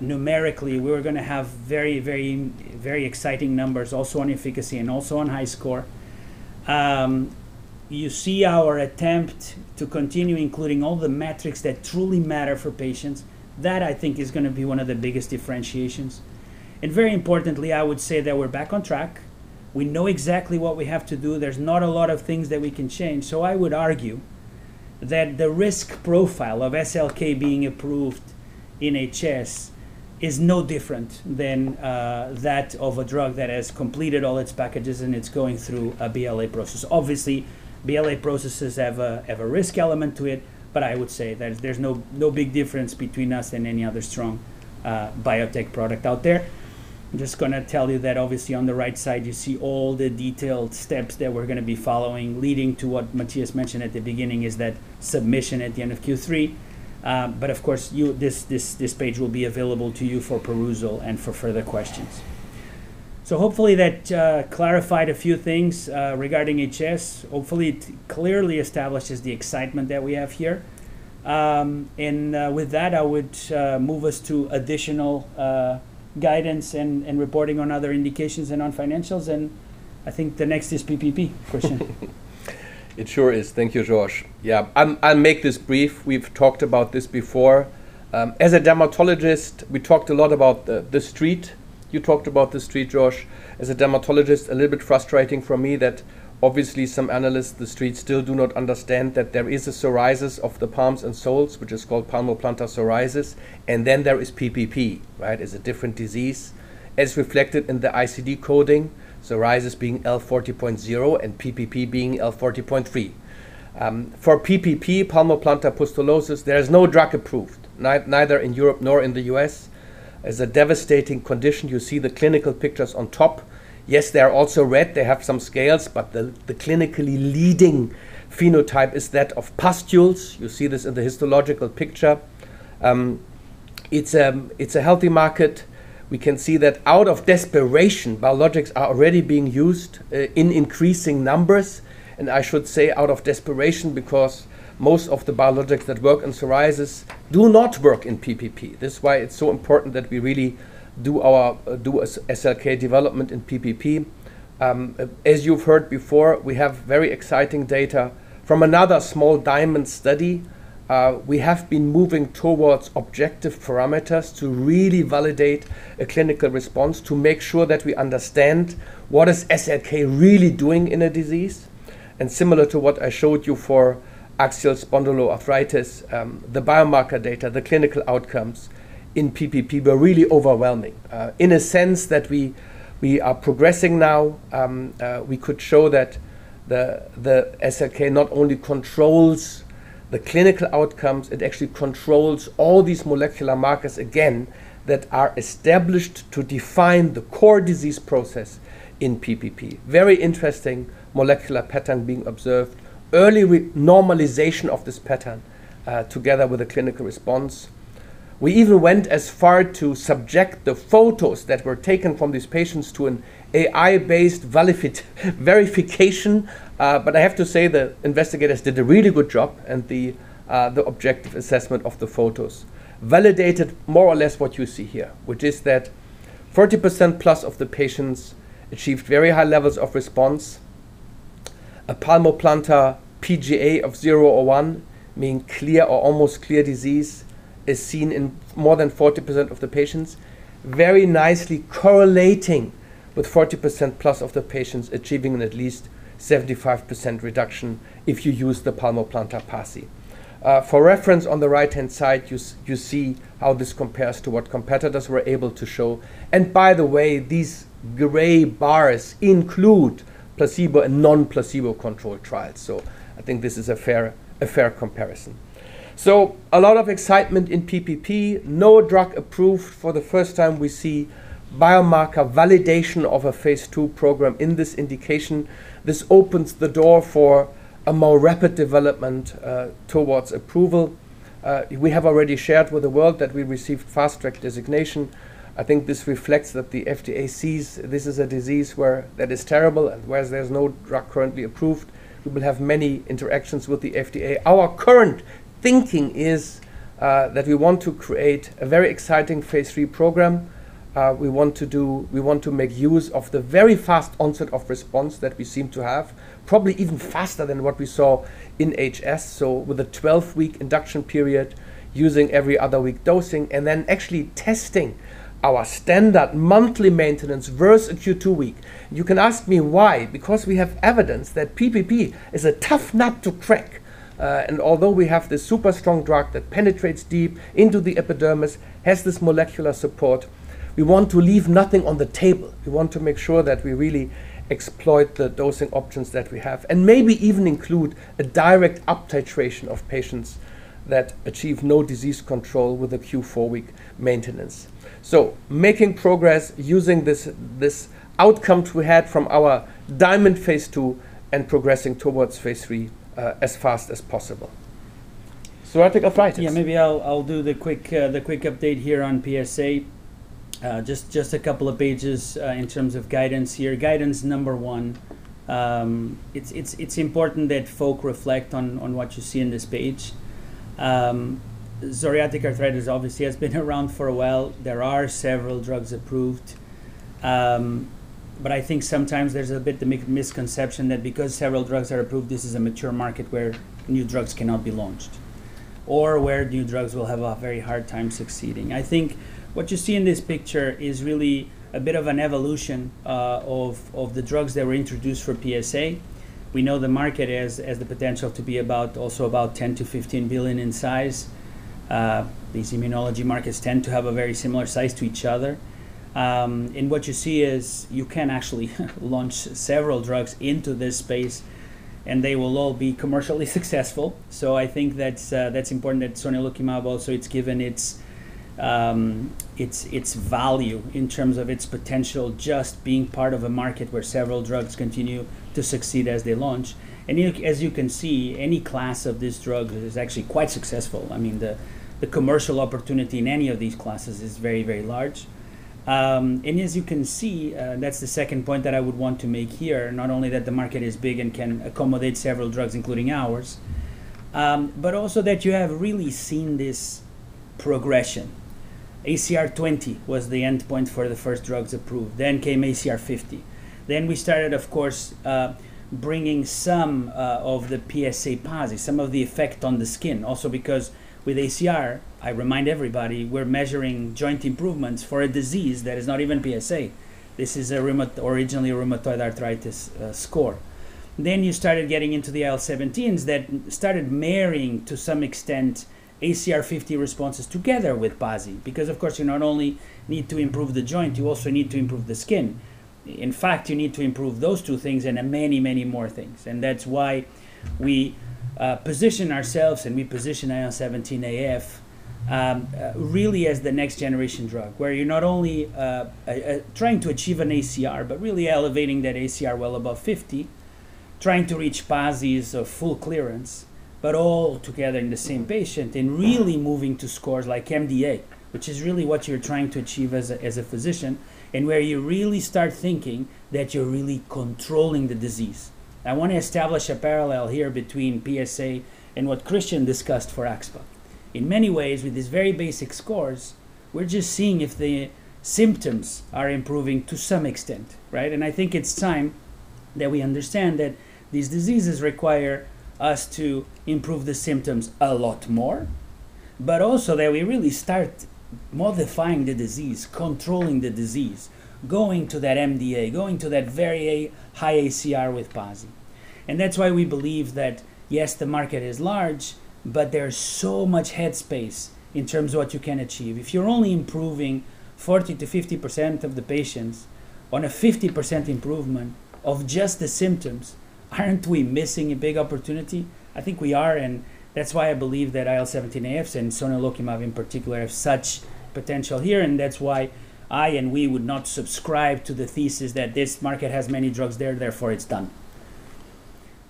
numerically, we're gonna have very, very, very exciting numbers also on efficacy and also on HiSCR. You see our attempt to continue including all the metrics that truly matter for patients. That, I think, is gonna be one of the biggest differentiations. Very importantly, I would say that we're back on track. We know exactly what we have to do. There's not a lot of things that we can change. I would argue that the risk profile of SLK being approved in HS is no different than that of a drug that has completed all its packages, and it's going through a BLA process. Obviously, BLA processes have a risk element to it, but I would say that there's no big difference between us and any other strong biotech product out there. I'm just gonna tell you that obviously on the right side, you see all the detailed steps that we're gonna be following, leading to what Matthias mentioned at the beginning, is that submission at the end of Q3. Of course, this page will be available to you for perusal and for further questions. Hopefully that clarified a few things regarding HS. Hopefully, it clearly establishes the excitement that we have here. With that, I would move us to additional guidance and reporting on other indications and on financials, and I think the next is PPP, Kristian. It sure is. Thank you, Jorge. I'll make this brief. We've talked about this before. As a dermatologist, we talked a lot about the, the street. You talked about the street, Jorge. As a dermatologist, a little bit frustrating for me that obviously some analysts, the street, still do not understand that there is a psoriasis of the palms and soles, which is called palmoplantar psoriasis, and then there is PPP, right? It's a different disease. As reflected in the ICD coding, psoriasis being L40.0 and PPP being L40.3. For PPP, palmoplantar pustulosis, there is no drug approved, neither in Europe nor in the US. It's a devastating condition. You see the clinical pictures on top. Yes, they are also red. They have some scales, but the, the clinically leading phenotype is that of pustules. You see this in the histological picture. It's a healthy market. We can see that out of desperation, biologics are already being used in increasing numbers, and I should say out of desperation, because most of the biologics that work in psoriasis do not work in PPP. That's why it's so important that we really do SLK development in PPP. As you've heard before, we have very exciting data from another small diamond study. We have been moving towards objective parameters to really validate a clinical response, to make sure that we understand what is SLK really doing in a disease. Similar to what I showed you for axial spondyloarthritis, the biomarker data, the clinical outcomes in PPP were really overwhelming in a sense that we, we are progressing now. We could show that the SLK not only controls the clinical outcomes, it actually controls all these molecular markers, again, that are established to define the core disease process in PPP. Very interesting molecular pattern being observed. Early with normalization of this pattern, together with a clinical response. We even went as far to subject the photos that were taken from these patients to an AI-based validity verification, but I have to say, the investigators did a really good job, and the objective assessment of the photos validated more or less what you see here, which is that 40% plus of the patients achieved very high levels of response. A palmoplantar PGA of zero or one, meaning clear or almost clear disease, is seen in more than 40% of the patients, very nicely correlating with 40%+ of the patients achieving at least 75% reduction if you use the palmoplantar PASI. For reference, on the right-hand side, you see how this compares to what competitors were able to show. By the way, these gray bars include placebo and non-placebo-controlled trials, so I think this is a fair, a fair comparison. A lot of excitement in PPP. No drug approved. For the first time, we see biomarker validation of a Phase 2 program in this indication. This opens the door for a more rapid development towards approval. We have already shared with the world that we received Fast Track designation. I think this reflects that the FDA sees this is a disease where that is terrible, and whereas there's no drug currently approved, we will have many interactions with the FDA. Our current thinking is that we want to create a very exciting Phase 3 program. We want to make use of the very fast onset of response that we seem to have, probably even faster than what we saw in HS, so with a 12-week induction period, using every other week dosing, and then actually testing our standard monthly maintenance versus a Q 2-week. You can ask me why? Because we have evidence that PPP is a tough nut to crack. Although we have this super strong drug that penetrates deep into the epidermis, has this molecular support, we want to leave nothing on the table. We want to make sure that we really exploit the dosing options that we have, and maybe even include a direct uptitration of patients that achieve no disease control with a Q4W maintenance. Making progress, using this, this outcome we had from our diamond Phase 2 and progressing towards Phase 3 as fast as possible. psoriatic arthritis. Yeah, maybe I'll, I'll do the quick, the quick update here on PsA. Just, just a couple of pages, in terms of guidance here. Guidance number one, it's, it's, it's important that folk reflect on, on what you see on this page. Psoriatic arthritis obviously has been around for a while. There are several drugs approved, but I think sometimes there's a bit of misconception that because several drugs are approved, this is a mature market where new drugs cannot be launched or where new drugs will have a very hard time succeeding. I think what you see in this picture is really a bit of an evolution, of, of the drugs that were introduced for PsA. We know the market has, has the potential to be also about $10 billion-$15 billion in size. These immunology markets tend to have a very similar size to each other. What you see is you can actually launch several drugs into this space, and they will all be commercially successful. I think that's, that's important that sonelokimab also it's given its, its, its value in terms of its potential just being part of a market where several drugs continue to succeed as they launch. As you can see, any class of this drug is actually quite successful. I mean, the, the commercial opportunity in any of these classes is very, very large. As you can see, that's the second point that I would want to make here. Not only that the market is big and can accommodate several drugs, including ours, but also that you have really seen this progression. ACR20 was the endpoint for the first drugs approved, then came ACR50. Then we started, of course, bringing some of the PsA PASI, some of the effect on the skin. Also, because with ACR, I remind everybody, we're measuring joint improvements for a disease that is not even PsA. This is originally a rheumatoid arthritis score. Then you started getting into the IL-17s that started marrying, to some extent, ACR50 responses together with PASI, because, of course, you not only need to improve the joint, you also need to improve the skin. In fact, you need to improve those two things and many, many more things. That's why we position ourselves, and we position IL-17A/F, really as the next generation drug, where you're not only trying to achieve an ACR, but really elevating that ACR well above 50, trying to reach PASI of full clearance, but all together in the same patient, and really moving to scores like MDA, which is really what you're trying to achieve as a, as a physician, and where you really start thinking that you're really controlling the disease. I want to establish a parallel here between PsA and what Kristian discussed for axSpA. In many ways, with these very basic scores, we're just seeing if the symptoms are improving to some extent, right? I think it's time that we understand that these diseases require us to improve the symptoms a lot more, but also that we really start modifying the disease, controlling the disease, going to that MDA, going to that very high ACR with PASI. That's why we believe that, yes, the market is large, but there's so much head space in terms of what you can achieve. If you're only improving 40%-50% of the patients on a 50% improvement of just the symptoms, aren't we missing a big opportunity? I think we are. That's why I believe that IL-17A/Fs and sonelokimab, in particular, have such potential here. That's why I and we would not subscribe to the thesis that this market has many drugs there, therefore, it's done.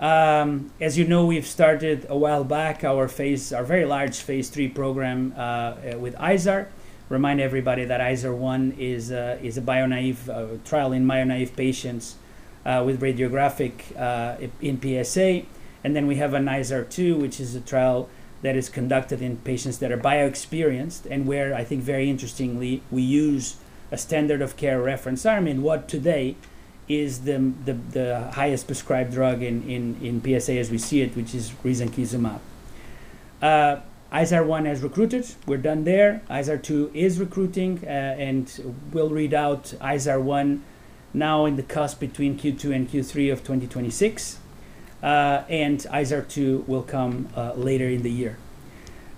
As you know, we've started a while back, our very large Phase 3 program with IZAR. Remind everybody that IZAR-1 is a biologic-naïve trial in biologic-naïve patients with radiographic in PsA. We have an IZAR-2, which is a trial that is conducted in patients that are biologic-experienced and where I think very interestingly, we use a standard of care reference, I mean, what today is the highest prescribed drug in PsA as we see it, which is risankizumab. IZAR-1 has recruited. We're done there. IZAR-2 is recruiting, and we'll read out IZAR-1 now in the cusp between Q2 and Q3 of 2026. IZAR-2 will come later in the year.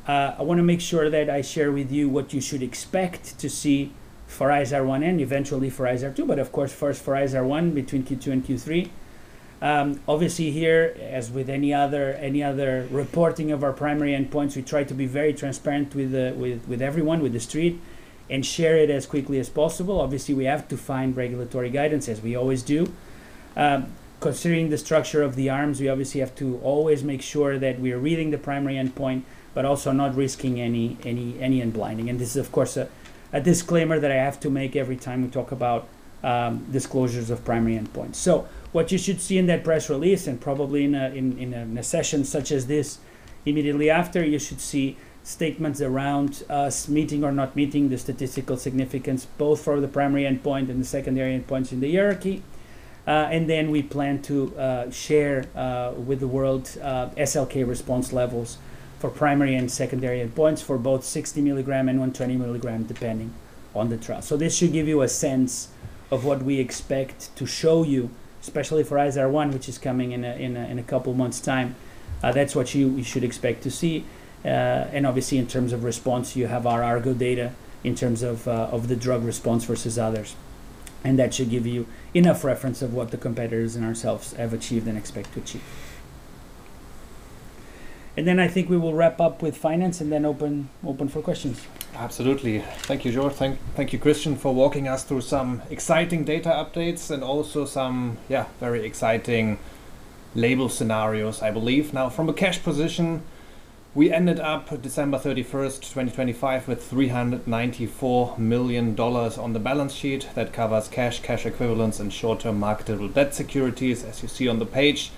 I wanna make sure that I share with you what you should expect to see for IZAR-1 and eventually for IZAR-2, but of course, first for IZAR-1 between Q2 and Q3. Obviously here, as with any other, any other reporting of our primary endpoints, we try to be very transparent with the, with, with everyone, with the street, and share it as quickly as possible. Obviously, we have to find regulatory guidance, as we always do. Considering the structure of the arms, we obviously have to always make sure that we are reading the primary endpoint, but also not risking any, any, any unblinding. This is, of course, a, a disclaimer that I have to make every time we talk about disclosures of primary endpoints. What you should see in that press release and probably in a session such as this, immediately after, you should see statements around us meeting or not meeting the statistical significance, both for the primary endpoint and the secondary endpoints in the hierarchy. We plan to share with the world SLK response levels for primary and secondary endpoints for both 60 mg and 120 mg, depending on the trial. This should give you a sense of what we expect to show you, especially for IZAR-1, which is coming in a couple months' time. That's what you should expect to see. Obviously, in terms of response, you have our ARGO data in terms of the drug response versus others, and that should give you enough reference of what the competitors and ourselves have achieved and expect to achieve. Then I think we will wrap up with finance and then open for questions. Absolutely. Thank you, Jorge. Thank, thank you, Kristian, for walking us through some exciting data updates and also some very exciting label scenarios, I believe. From a cash position, we ended up December 31st, 2025, with $394 million on the balance sheet. That covers cash, cash equivalents, and short-term marketable debt securities, as you see on the page.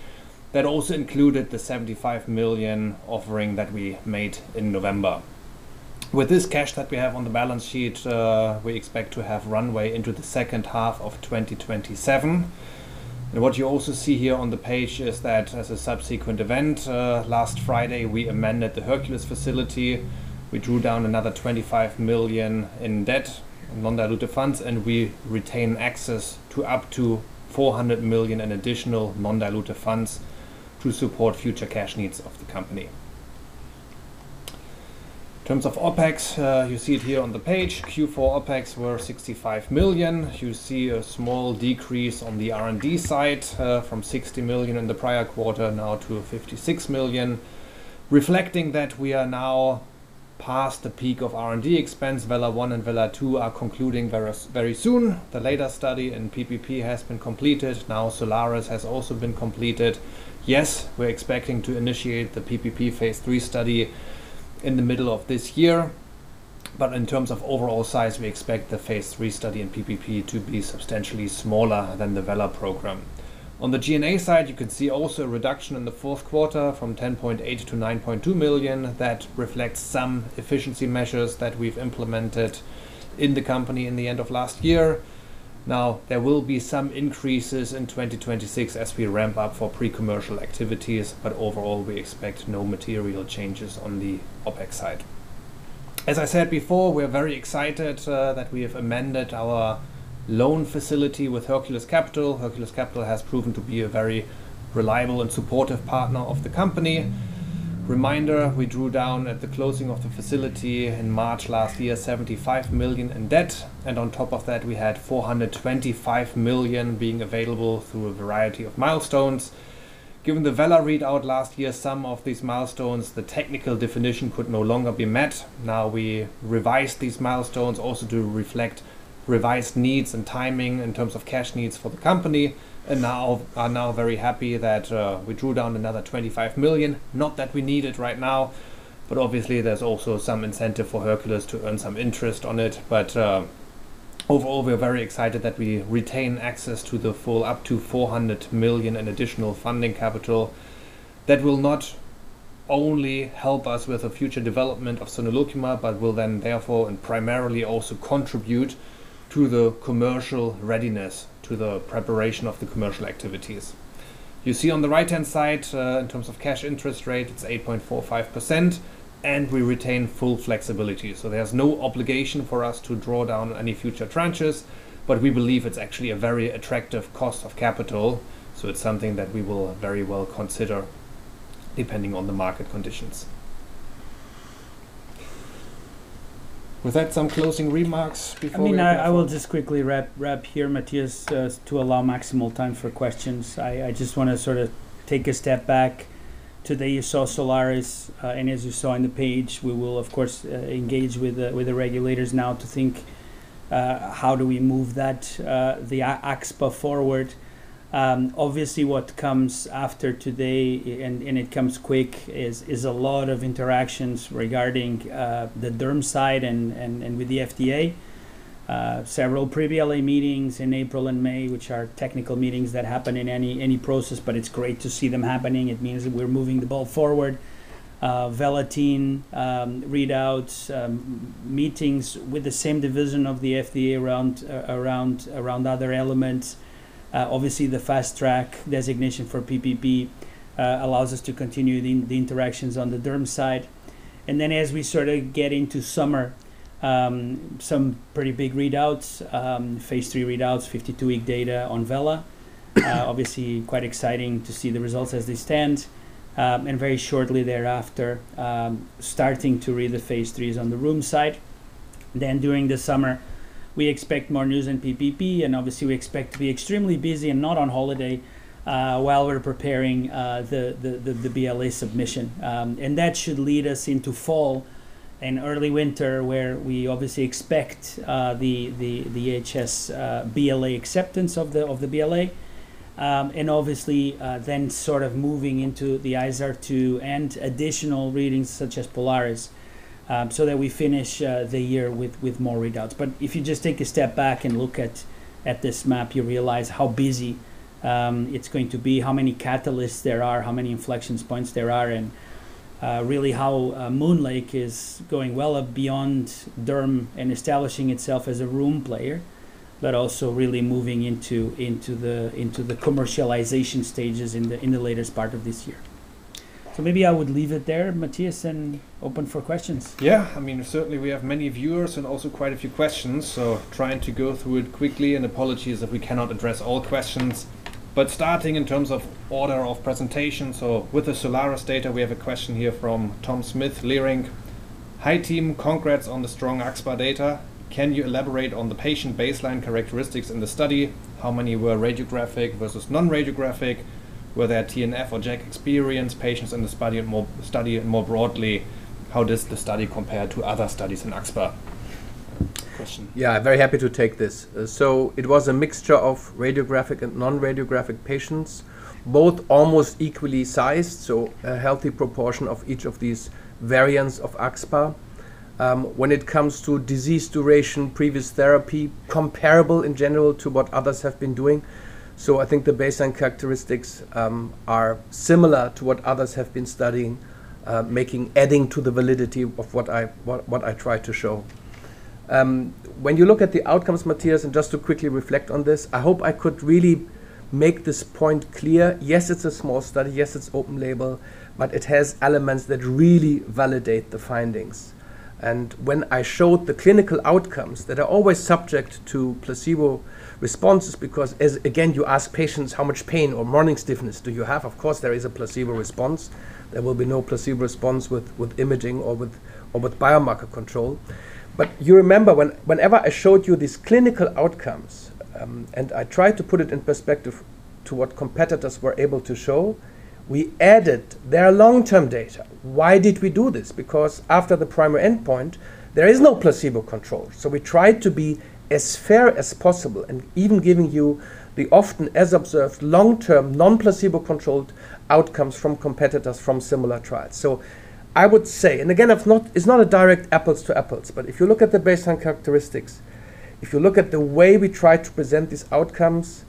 That also included the $75 million offering that we made in November. With this cash that we have on the balance sheet, we expect to have runway into the second half of 2027. What you also see here on the page is that as a subsequent event, last Friday, we amended the Hercules Facility. We drew down another $25 million in debt, non-dilutive funds. We retain access to up to $400 million in additional non-dilutive funds to support future cash needs of the company. In terms of OpEx, you see it here on the page. Q4 OpEx were $65 million. You see a small decrease on the R&D side, from $60 million in the prior quarter, now to $56 million, reflecting that we are now past the peak of R&D expense. VELA-1 and VELA-2 are concluding very, very soon. The later study in PPP has been completed. S-OLARIS has also been completed. Yes, we're expecting to initiate the PPP Phase 3 study in the middle of this year, but in terms of overall size, we expect the Phase 3 study in PPP to be substantially smaller than the VELA program. On the G&A side, you could see also a reduction in the fourth quarter from $10.8 million-$9.2 million. That reflects some efficiency measures that we've implemented in the company in the end of last year. There will be some increases in 2026 as we ramp up for pre-commercial activities, but overall, we expect no material changes on the OpEx side. As I said before, we're very excited that we have amended our loan facility with Hercules Capital. Hercules Capital has proven to be a very reliable and supportive partner of the company. Reminder, we drew down at the closing of the facility in March last year, $75 million in debt, and on top of that, we had $425 million being available through a variety of milestones. Given the VELA readout last year, some of these milestones, the technical definition could no longer be met. We revised these milestones also to reflect revised needs and timing in terms of cash needs for the company, are now very happy that we drew down another $25 million. Not that we need it right now, obviously there's also some incentive for Hercules to earn some interest on it. Overall, we're very excited that we retain access to the full up to $400 million in additional funding capital. That will not only help us with the future development of sonidegib, but will then therefore and primarily also contribute to the commercial readiness, to the preparation of the commercial activities. You see on the right-hand side, in terms of cash interest rate, it's 8.45%. We retain full flexibility. There's no obligation for us to draw down any future tranches, we believe it's actually a very attractive cost of capital. It's something that we will very well consider, depending on the market conditions. With that, some closing remarks before- I mean, I, I will just quickly wrap, wrap here, Matthias, to allow maximal time for questions. I, I just wanna sort of take a step back. Today, you saw S-OLARIS, and as you saw on the page, we will of course, engage with the regulators now to think how do we move that the Oxba forward. Obviously, what comes after today, and it comes quick, is a lot of interactions regarding the derm side and with the FDA. Several pre-BLA meetings in April and May, which are technical meetings that happen in any process, but it's great to see them happening. It means that we're moving the ball forward. VELA team, readouts, meetings with the same division of the FDA around, around other elements. Obviously, the Fast Track designation for PPP allows us to continue the interactions on the derm side. As we sort of get into summer, some pretty big readouts, Phase 3 readouts, 52-week data on VELA. Obviously, quite exciting to see the results as they stand, very shortly thereafter, starting to read the Phase 3s on the rheum side. During the summer, we expect more news in PPP, obviously, we expect to be extremely busy and not on holiday.... while we're preparing the BLA submission. That should lead us into fall and early winter, where we obviously expect the HS BLA acceptance of the BLA. Obviously, then moving into the IZAR-2 and additional readings such as POLARIS, so that we finish the year with more readouts. If you just take a step back and look at this map, you realize how busy it's going to be, how many catalysts there are, how many inflection points there are, and really how MoonLake Immunotherapeutics is going well up beyond derm and establishing itself as a rheum player, but also really moving into the commercialization stages in the latest part of this year. Maybe I would leave it there, Matthias, and open for questions. Yeah, I mean, certainly we have many viewers and also quite a few questions, so trying to go through it quickly, and apologies if we cannot address all questions. Starting in terms of order of presentation, so with the S-OLARIS data, we have a question here from Thom Smith, Leerink: "Hi, team. Congrats on the strong axSpA data. Can you elaborate on the patient baseline characteristics in the study? How many were radiographic versus non-radiographic? Were there TNF or JAK-experienced patients in the study and study, and more broadly, how does the study compare to other studies in axSpA? Yeah, very happy to take this. It was a mixture of radiographic and non-radiographic patients, both almost equally sized, so a healthy proportion of each of these variants of axSpA. When it comes to disease duration, previous therapy, comparable in general to what others have been doing. I think the baseline characteristics are similar to what others have been studying, adding to the validity of what I tried to show. When you look at the outcomes, Matthias, just to quickly reflect on this, I hope I could really make this point clear. Yes, it's a small study. Yes, it's open label, it has elements that really validate the findings. When I showed the clinical outcomes that are always subject to placebo responses, because as, again, you ask patients, how much pain or morning stiffness do you have? Of course, there is a placebo response. There will be no placebo response with, with imaging or with, or with biomarker control. You remember whenever I showed you these clinical outcomes, and I tried to put it in perspective to what competitors were able to show, we added their long-term data. Why did we do this? Because after the primary endpoint, there is no placebo control. We tried to be as fair as possible and even giving you the often as observed, long-term, non-placebo controlled outcomes from competitors from similar trials. I would say, and again, it's not, it's not a direct apples to apples, but if you look at the baseline characteristics, if you look at the way we try to present these outcomes,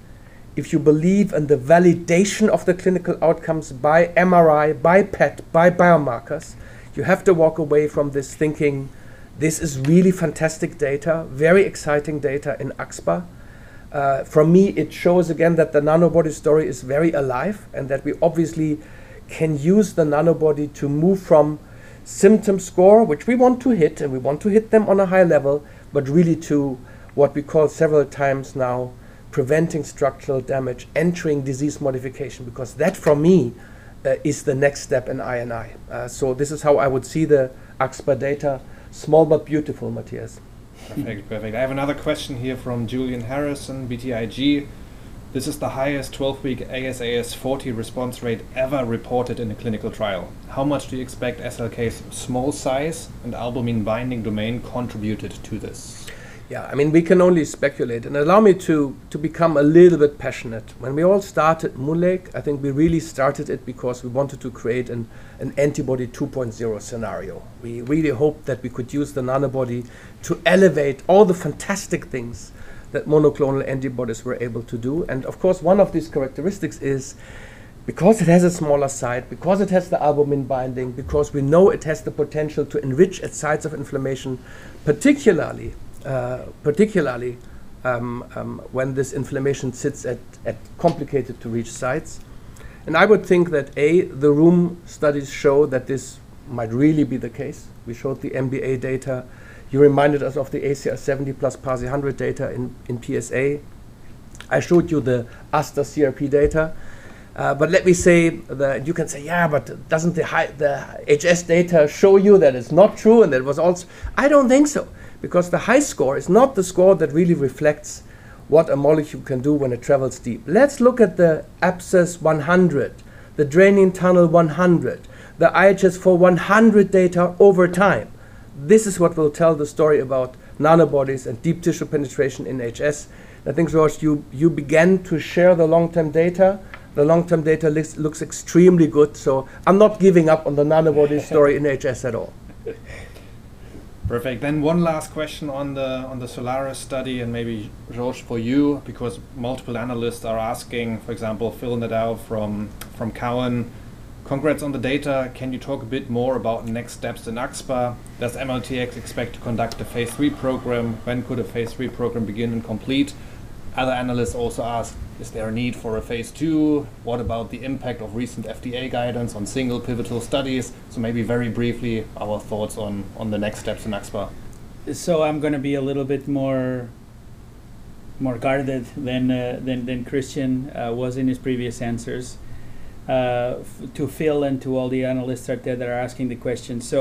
if you believe in the validation of the clinical outcomes by MRI, by PET, by biomarkers, you have to walk away from this thinking this is really fantastic data, very exciting data in axSpA. For me, it shows again that the Nanobody story is very alive, and that we obviously can use the Nanobody to move from symptom score, which we want to hit, and we want to hit them on a high level, but really to what we call several times now, preventing structural damage, entering disease modification, because that, for me, is the next step in I&I. This is how I would see the axSpA data. Small but beautiful, Matthias. Perfect. Perfect. I have another question here from Julian Harrison, BTIG: "This is the highest 12-week ASAS40 response rate ever reported in a clinical trial. How much do you expect SLK's small size and albumin binding domain contributed to this? Yeah, I mean, we can only speculate. Allow me to become a little bit passionate. When we all started MoonLake, I think we really started it because we wanted to create an antibody 2.0 scenario. We really hoped that we could use the Nanobody to elevate all the fantastic things that monoclonal antibodies were able to do. Of course, one of these characteristics is because it has a smaller size, because it has the albumin binding, because we know it has the potential to enrich at sites of inflammation, particularly when this inflammation sits at complicated to reach sites. I would think that, A, the rheum studies show that this might really be the case. We showed the MBA data. You reminded us of the ACR70 + PASI 100 data in PsA. I showed you the ASDAS-CRP data. Let me say that you can say: "Yeah, but doesn't the HiSCR data show you that it's not true, and that it was?" I don't think so, because the HiSCR is not the score that really reflects what a molecule can do when it travels deep. Let's look at the Abscess 100, the DT 100, the IHS4 100 data over time. This is what will tell the story about Nanobodies and deep tissue penetration in HS. I think, Jorge, you, you began to share the long-term data. The long-term data looks extremely good, so I'm not giving up on the Nanobody story in HS at all. Perfect. One last question on the, on the S-OLARIS study, and maybe, Jorge, for you, because multiple analysts are asking, for example, Yaron Werber from, from TD Cowen: "Congrats on the data. Can you talk a bit more about next steps in axSpA? Does MLTX expect to conduct a Phase 3 program? When could a Phase 3 program begin and complete? "Other analysts also ask: "Is there a need for a Phase 2? What about the impact of recent FDA guidance on single pivotal studies?" Maybe very briefly, our thoughts on, on the next steps in axSpA. I'm gonna be a little bit more, more guarded than, than Kristian was in his previous answers. To Phil and to all the analysts out there that are asking the questions.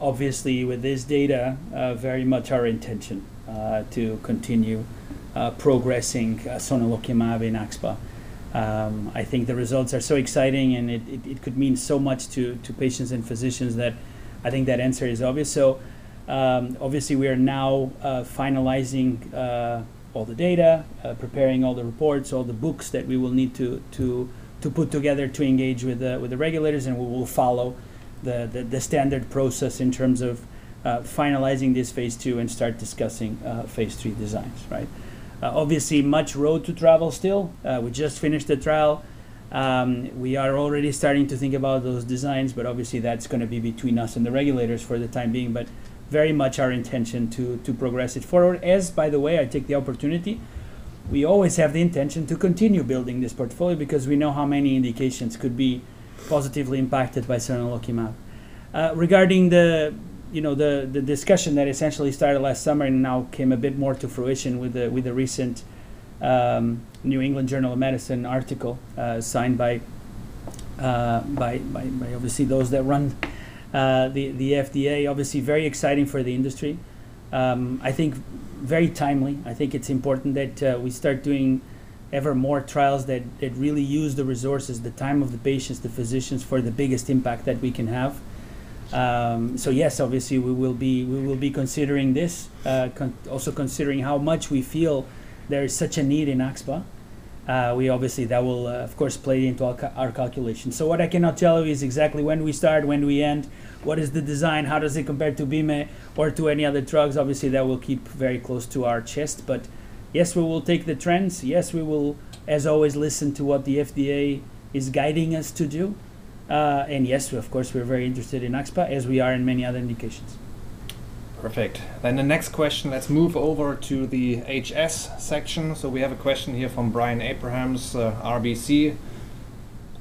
Obviously, with this data, very much our intention to continue progressing sonelokimab in axSpA. I think the results are so exciting, and it, it, it could mean so much to, to patients and physicians that I think that answer is obvious. Obviously, we are now finalizing all the data, preparing all the reports, all the books that we will need to put together to engage with the regulators, and we will follow the standard process in terms of finalizing this Phase 2 and start discussing Phase 3 designs, right? Obviously, much road to travel still. We just finished the trial. We are already starting to think about those designs, but obviously, that's gonna be between us and the regulators for the time being, but very much our intention to, to progress it forward. As by the way, I take the opportunity, we always have the intention to continue building this portfolio because we know how many indications could be positively impacted by sonelokimab. Regarding the, you know, the, the discussion that essentially started last summer and now came a bit more to fruition with the, with the recent, The New England Journal of Medicine article, signed by obviously those that run the FDA, obviously very exciting for the industry. I think very timely. I think it's important that we start doing ever more trials that, that really use the resources, the time of the patients, the physicians, for the biggest impact that we can have. Yes, obviously, we will be, we will be considering this. Also considering how much we feel there is such a need in axSpA. We obviously, that will, of course, play into our calculation. What I cannot tell you is exactly when we start, when we end, what is the design, how does it compare to BIMZELX or to any other drugs? Obviously, that we'll keep very close to our chest. Yes, we will take the trends. Yes, we will, as always, listen to what the FDA is guiding us to do. Yes, we of course, we're very interested in axSpA, as we are in many other indications. Perfect. The next question, let's move over to the HS section. We have a question here from Brian Abrahams, RBC.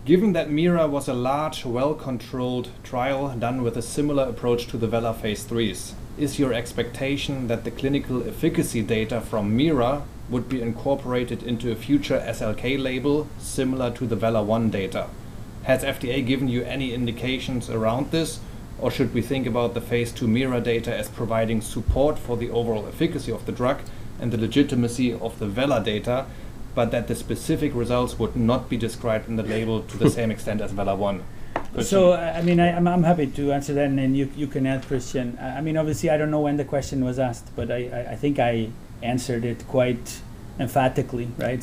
Given that MIRA was a large, well-controlled trial done with a similar approach to the VELA Phase 3s, is your expectation that the clinical efficacy data from MIRA would be incorporated into a future SLK label similar to the VELA-1 data? Has FDA given you any indications around this, or should we think about the Phase 2 MIRA data as providing support for the overall efficacy of the drug and the legitimacy of the VELA data, but that the specific results would not be described in the label to the same extent as VELA-1? I mean, I, I'm, I'm happy to answer that, and then you, you can add, Kristian. I mean, obviously, I don't know when the question was asked, but I, I, I think I answered it quite emphatically, right?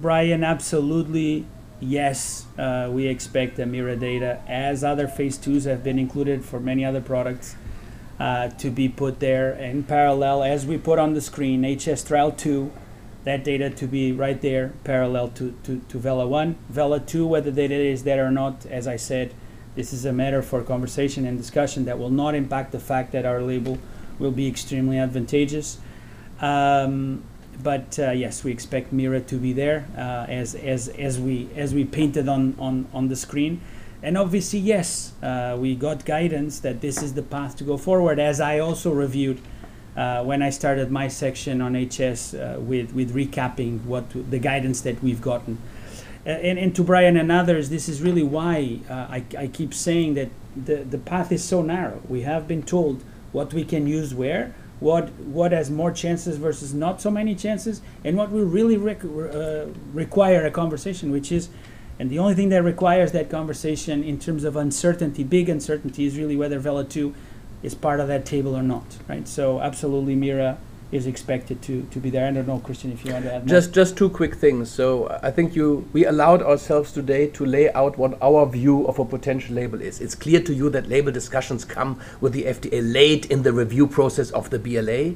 Brian, absolutely, yes, we expect the MIRA data, as other Phase 2s have been included for many other products, to be put there in parallel. As we put on the screen, HS trial 2, that data to be right there, parallel to, to, to VELA-1. VELA-2, whether the data is there or not, as I said, this is a matter for conversation and discussion that will not impact the fact that our label will be extremely advantageous. Yes, we expect MIRA to be there, as, as, as we, as we painted on, on, on the screen. Obviously, yes, we got guidance that this is the path to go forward, as I also reviewed, when I started my section on HS, with, with recapping what the, the guidance that we've gotten. To Brian and others, this is really why, I, I keep saying that the, the path is so narrow. We have been told what we can use where, what, what has more chances versus not so many chances, and what will really require a conversation, which is... The only thing that requires that conversation in terms of uncertainty, big uncertainty, is really whether VELA-2 is part of that table or not, right? Absolutely, MIRA is expected to, to be there. I don't know, Kristian, if you want to add more. Just two quick things. I think we allowed ourselves today to lay out what our view of a potential label is. It's clear to you that label discussions come with the FDA late in the review process of the BLA.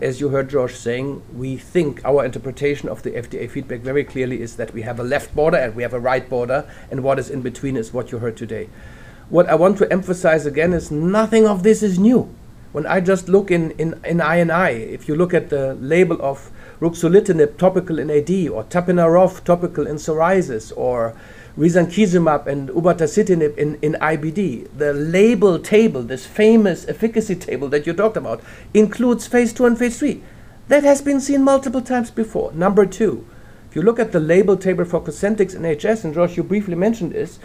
As you heard Jorge saying, we think our interpretation of the FDA feedback very clearly is that we have a left border and we have a right border, and what is in between is what you heard today. What I want to emphasize again is nothing of this is new. When I just look in, in, in I&I, if you look at the label of ruxolitinib, topical in AD, or tapinarof, topical in psoriasis, or risankizumab and upadacitinib in, in IBD, the label table, this famous efficacy table that you talked about, includes Phase 2 and Phase 3. That has been seen multiple times before. Number two, if you look at the label table for Cosentyx in HS, Jorge, you briefly mentioned this,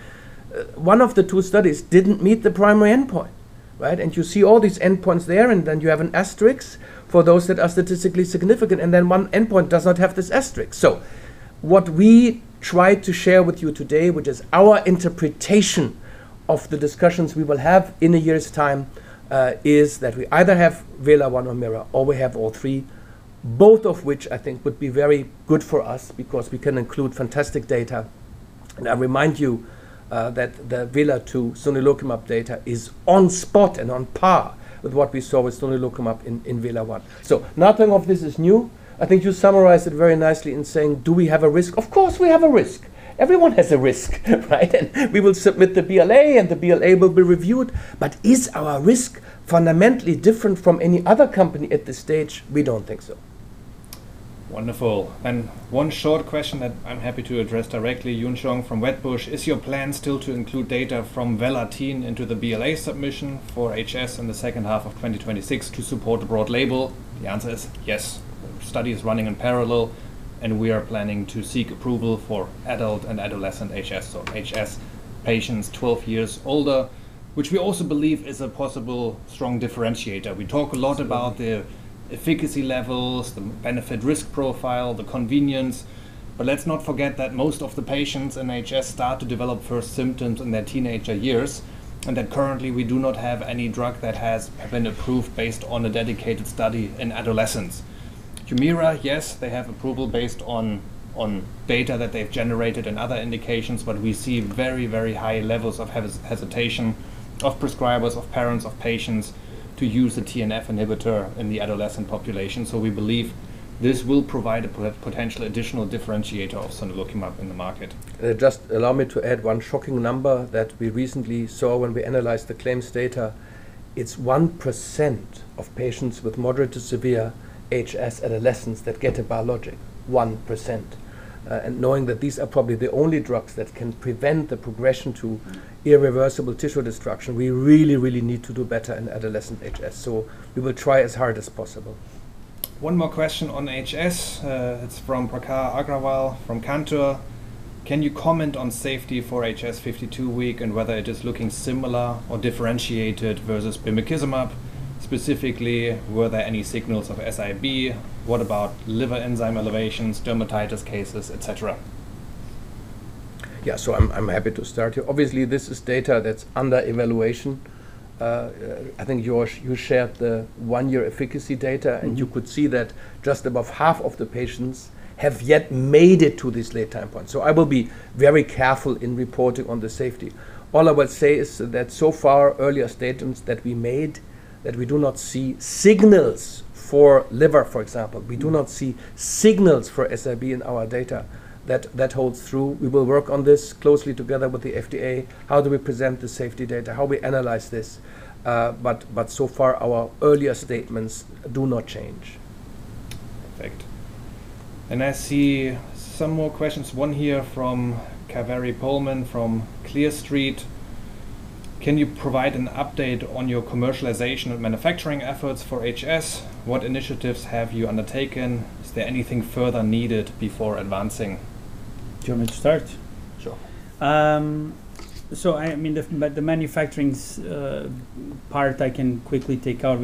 one of the two studies didn't meet the primary endpoint, right? You see all these endpoints there, and then you have an asterisk for those that are statistically significant, and then one endpoint does not have this asterisk. What we tried to share with you today, which is our interpretation of the discussions we will have in a year's time, is that we either have VELA-1 or MIRA, or we have all three, both of which I think would be very good for us because we can include fantastic data. I remind you, that the VELA-2 sonelokimab data is on spot and on par with what we saw with sonelokimab in, in VELA-1. Nothing of this is new. I think you summarized it very nicely in saying, do we have a risk? Of course, we have a risk. Everyone has a risk, right? We will submit the BLA, and the BLA will be reviewed. Is our risk fundamentally different from any other company at this stage? We don't think so. Wonderful. One short question that I'm happy to address directly, Yun Zhong from Wedbush: Is your plan still to include data from VELA-2 into the BLA submission for HS in the second half of 2026 to support a broad label? The answer is yes. The study is running in parallel, and we are planning to seek approval for adult and adolescent HS. HS patients 12 years older, which we also believe is a possible strong differentiator. We talk a lot about the efficacy levels, the benefit-risk profile, the convenience, but let's not forget that most of the patients in HS start to develop first symptoms in their teenager years, and that currently we do not have any drug that has been approved based on a dedicated study in adolescents. Humira, yes, they have approval based on data that they've generated and other indications, but we see very, very high levels of hesitation of prescribers, of parents, of patients, to use a TNF inhibitor in the adolescent population. So we believe this will provide a potential additional differentiator of sonidegib in the market. Just allow me to add one shocking number that we recently saw when we analyzed the claims data. It's 1% of patients with moderate to severe HS adolescents that get a biologic. 1%. Knowing that these are probably the only drugs that can prevent the progression to irreversible tissue destruction, we really, really need to do better in adolescent HS, we will try as hard as possible. One more question on HS. It's from Prakhar Agarwal from Cantor: "Can you comment on safety for HS 52-week and whether it is looking similar or differentiated versus bimekizumab? Specifically, were there any signals of SIB? What about liver enzyme elevations, dermatitis cases, et cetera? Yeah, I'm happy to start here. Obviously, this is data that's under evaluation. I think, Jorge, you shared the one-year efficacy data- Mm-hmm. You could see that just above half of the patients have yet made it to this late time point. I will be very careful in reporting on the safety. All I will say is that so far, earlier statements that we made, that we do not see signals for liver, for example. Mm-hmm. We do not see signals for SIB in our data. That holds true. We will work on this closely together with the FDA, how do we present the safety data, how we analyze this. So far, our earlier statements do not change. Perfect. I see some more questions, one here from Kaveri Pohlman from Clear Street: "Can you provide an update on your commercialization and manufacturing efforts for HS? What initiatives have you undertaken? Is there anything further needed before advancing? Do you want me to start? Sure. I mean, the manufacturing's part I can quickly take out.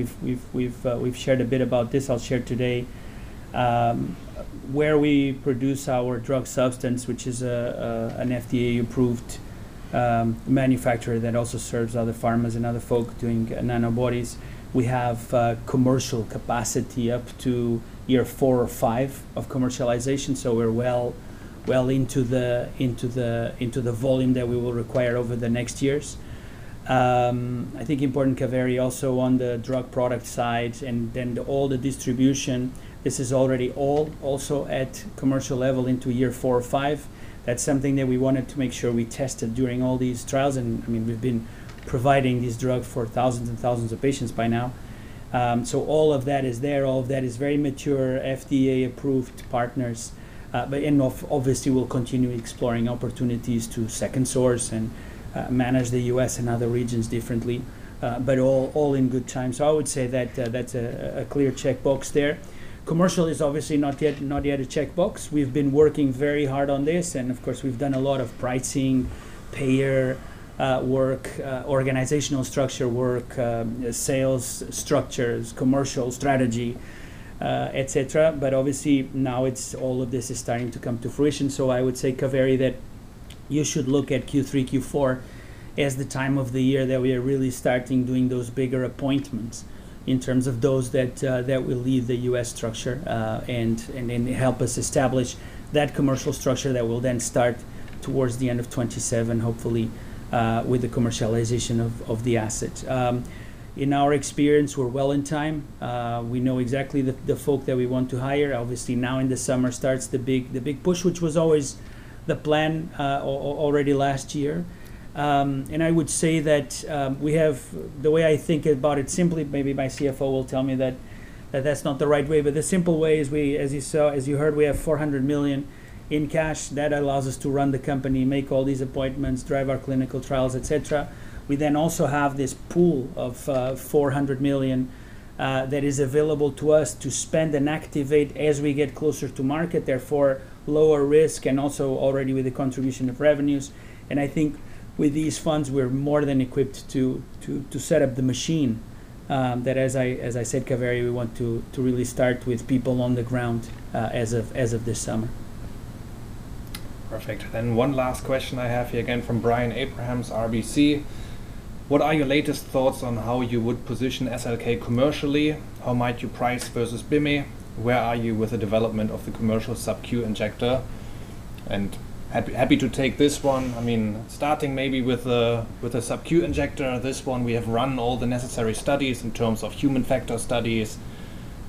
We've shared a bit about this. I'll share today where we produce our drug substance, which is an FDA-approved manufacturer that also serves other pharmas and other folk doing nanobodies. We have commercial capacity up to year four or five of commercialization, so we're well into the volume that we will require over the next years. I think important, Kaveri, also on the drug product side and then all the distribution, this is already all also at commercial level into year four or five. That's something that we wanted to make sure we tested during all these trials. I mean, we've been providing this drug for thousands and thousands of patients by now. All of that is there. All of that is very mature, FDA-approved partners, but obviously, we'll continue exploring opportunities to second source and manage the U.S. and other regions differently, but all, all in good time. I would say that that's a, a clear checkbox there. Commercial is obviously not yet, not yet a checkbox. We've been working very hard on this, and of course, we've done a lot of pricing, payer, work, organizational structure work, sales structures, commercial strategy, et cetera. Obviously, now it's all of this is starting to come to fruition. I would say, Kaveri, that you should look at Q3, Q4 as the time of the year that we are really starting doing those bigger appointments in terms of those that that will lead the U.S. structure, and then help us establish that commercial structure that will then start towards the end of 2027, hopefully, with the commercialization of the asset. In our experience, we're well in time. We know exactly the folk that we want to hire. Obviously, now in the summer starts the big push, which was always the plan already last year. And I would say that we have... The way I think about it, simply, maybe my CFO will tell me that that's not the right way, but the simple way is we, as you saw, as you heard, we have $400 million in cash. That allows us to run the company, make all these appointments, drive our clinical trials, et cetera. We then also have this pool of $400 million that is available to us to spend and activate as we get closer to market, therefore, lower risk and also already with the contribution of revenues. I think with these funds, we're more than equipped to, to, to set up the machine that, as I, as I said, Kaveri, we want to, to really start with people on the ground as of, as of this summer. Perfect. One last question I have here, again from Brian Abrahams, RBC: "What are your latest thoughts on how you would position SLK commercially? How might you price versus BIMI? Where are you with the development of the commercial subQ injector?" Happy, happy to take this one. I mean, starting maybe with the, with the subQ injector, this one we have run all the necessary studies in terms of human factors studies,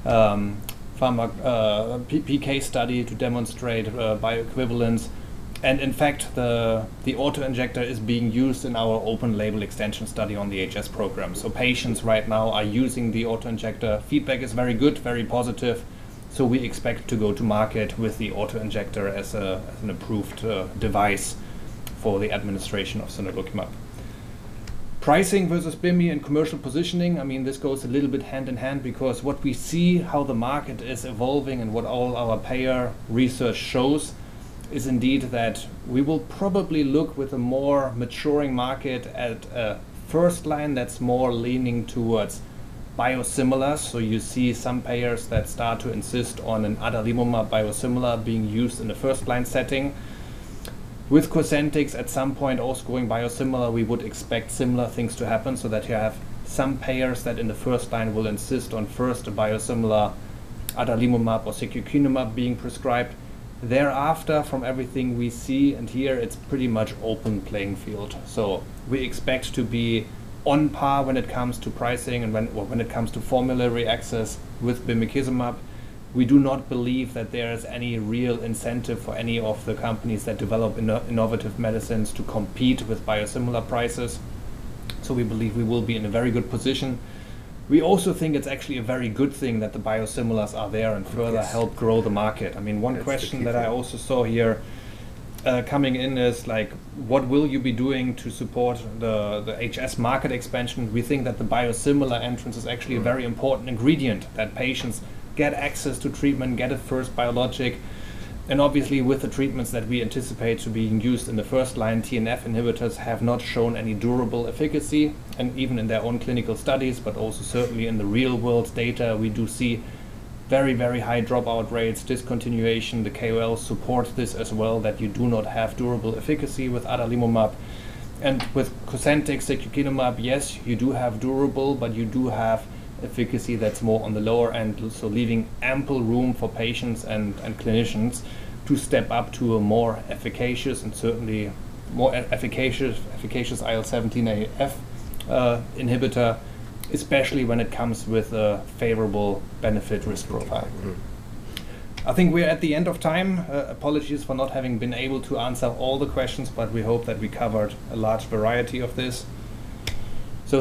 PK study to demonstrate bioequivalence. In fact, the auto-injector is being used in our open label extension study on the HS program. Patients right now are using the auto-injector. Feedback is very good, very positive, we expect to go to market with the auto-injector as an approved device for the administration of sonidegib.... pricing versus BIMI and commercial positioning, I mean, this goes a little bit hand in hand because what we see, how the market is evolving and what all our payer research shows is indeed that we will probably look with a more maturing market at a first line that's more leaning towards biosimilars. You see some payers that start to insist on an adalimumab biosimilar being used in the first line setting. With Cosentyx, at some point also going biosimilar, we would expect similar things to happen, so that you have some payers that in the first line will insist on first a biosimilar adalimumab or secukinumab being prescribed. Thereafter, from everything we see and hear, it's pretty much open playing field. We expect to be on par when it comes to pricing and when it comes to formulary access with bimekizumab. We do not believe that there is any real incentive for any of the companies that develop innovative medicines to compete with biosimilar prices. We believe we will be in a very good position. We also think it's actually a very good thing that the biosimilars are there and further help grow the market. I mean, one question that I also saw here, coming in is like, "What will you be doing to support the HS market expansion?" We think that the biosimilar entrance is actually a very important ingredient, that patients get access to treatment, get a first biologic, obviously with the treatments that we anticipate to being used in the first line, TNF inhibitors have not shown any durable efficacy, even in their own clinical studies, also certainly in the real world data, we do see very, very high dropout rates, discontinuation. The KOL supports this as well, that you do not have durable efficacy with adalimumab. With Cosentyx, secukinumab, yes, you do have durable, but you do have efficacy that's more on the lower end, so leaving ample room for patients and, and clinicians to step up to a more efficacious and certainly more efficacious, efficacious IL-17A/F inhibitor, especially when it comes with a favorable benefit-risk profile. I think we are at the end of time. Apologies for not having been able to answer all the questions, we hope that we covered a large variety of this.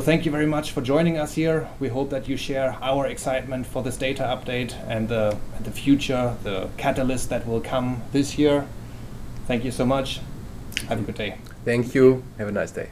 Thank you very much for joining us here. We hope that you share our excitement for this data update and the future, the catalyst that will come this year. Thank you so much. Have a good day. Thank you. Have a nice day.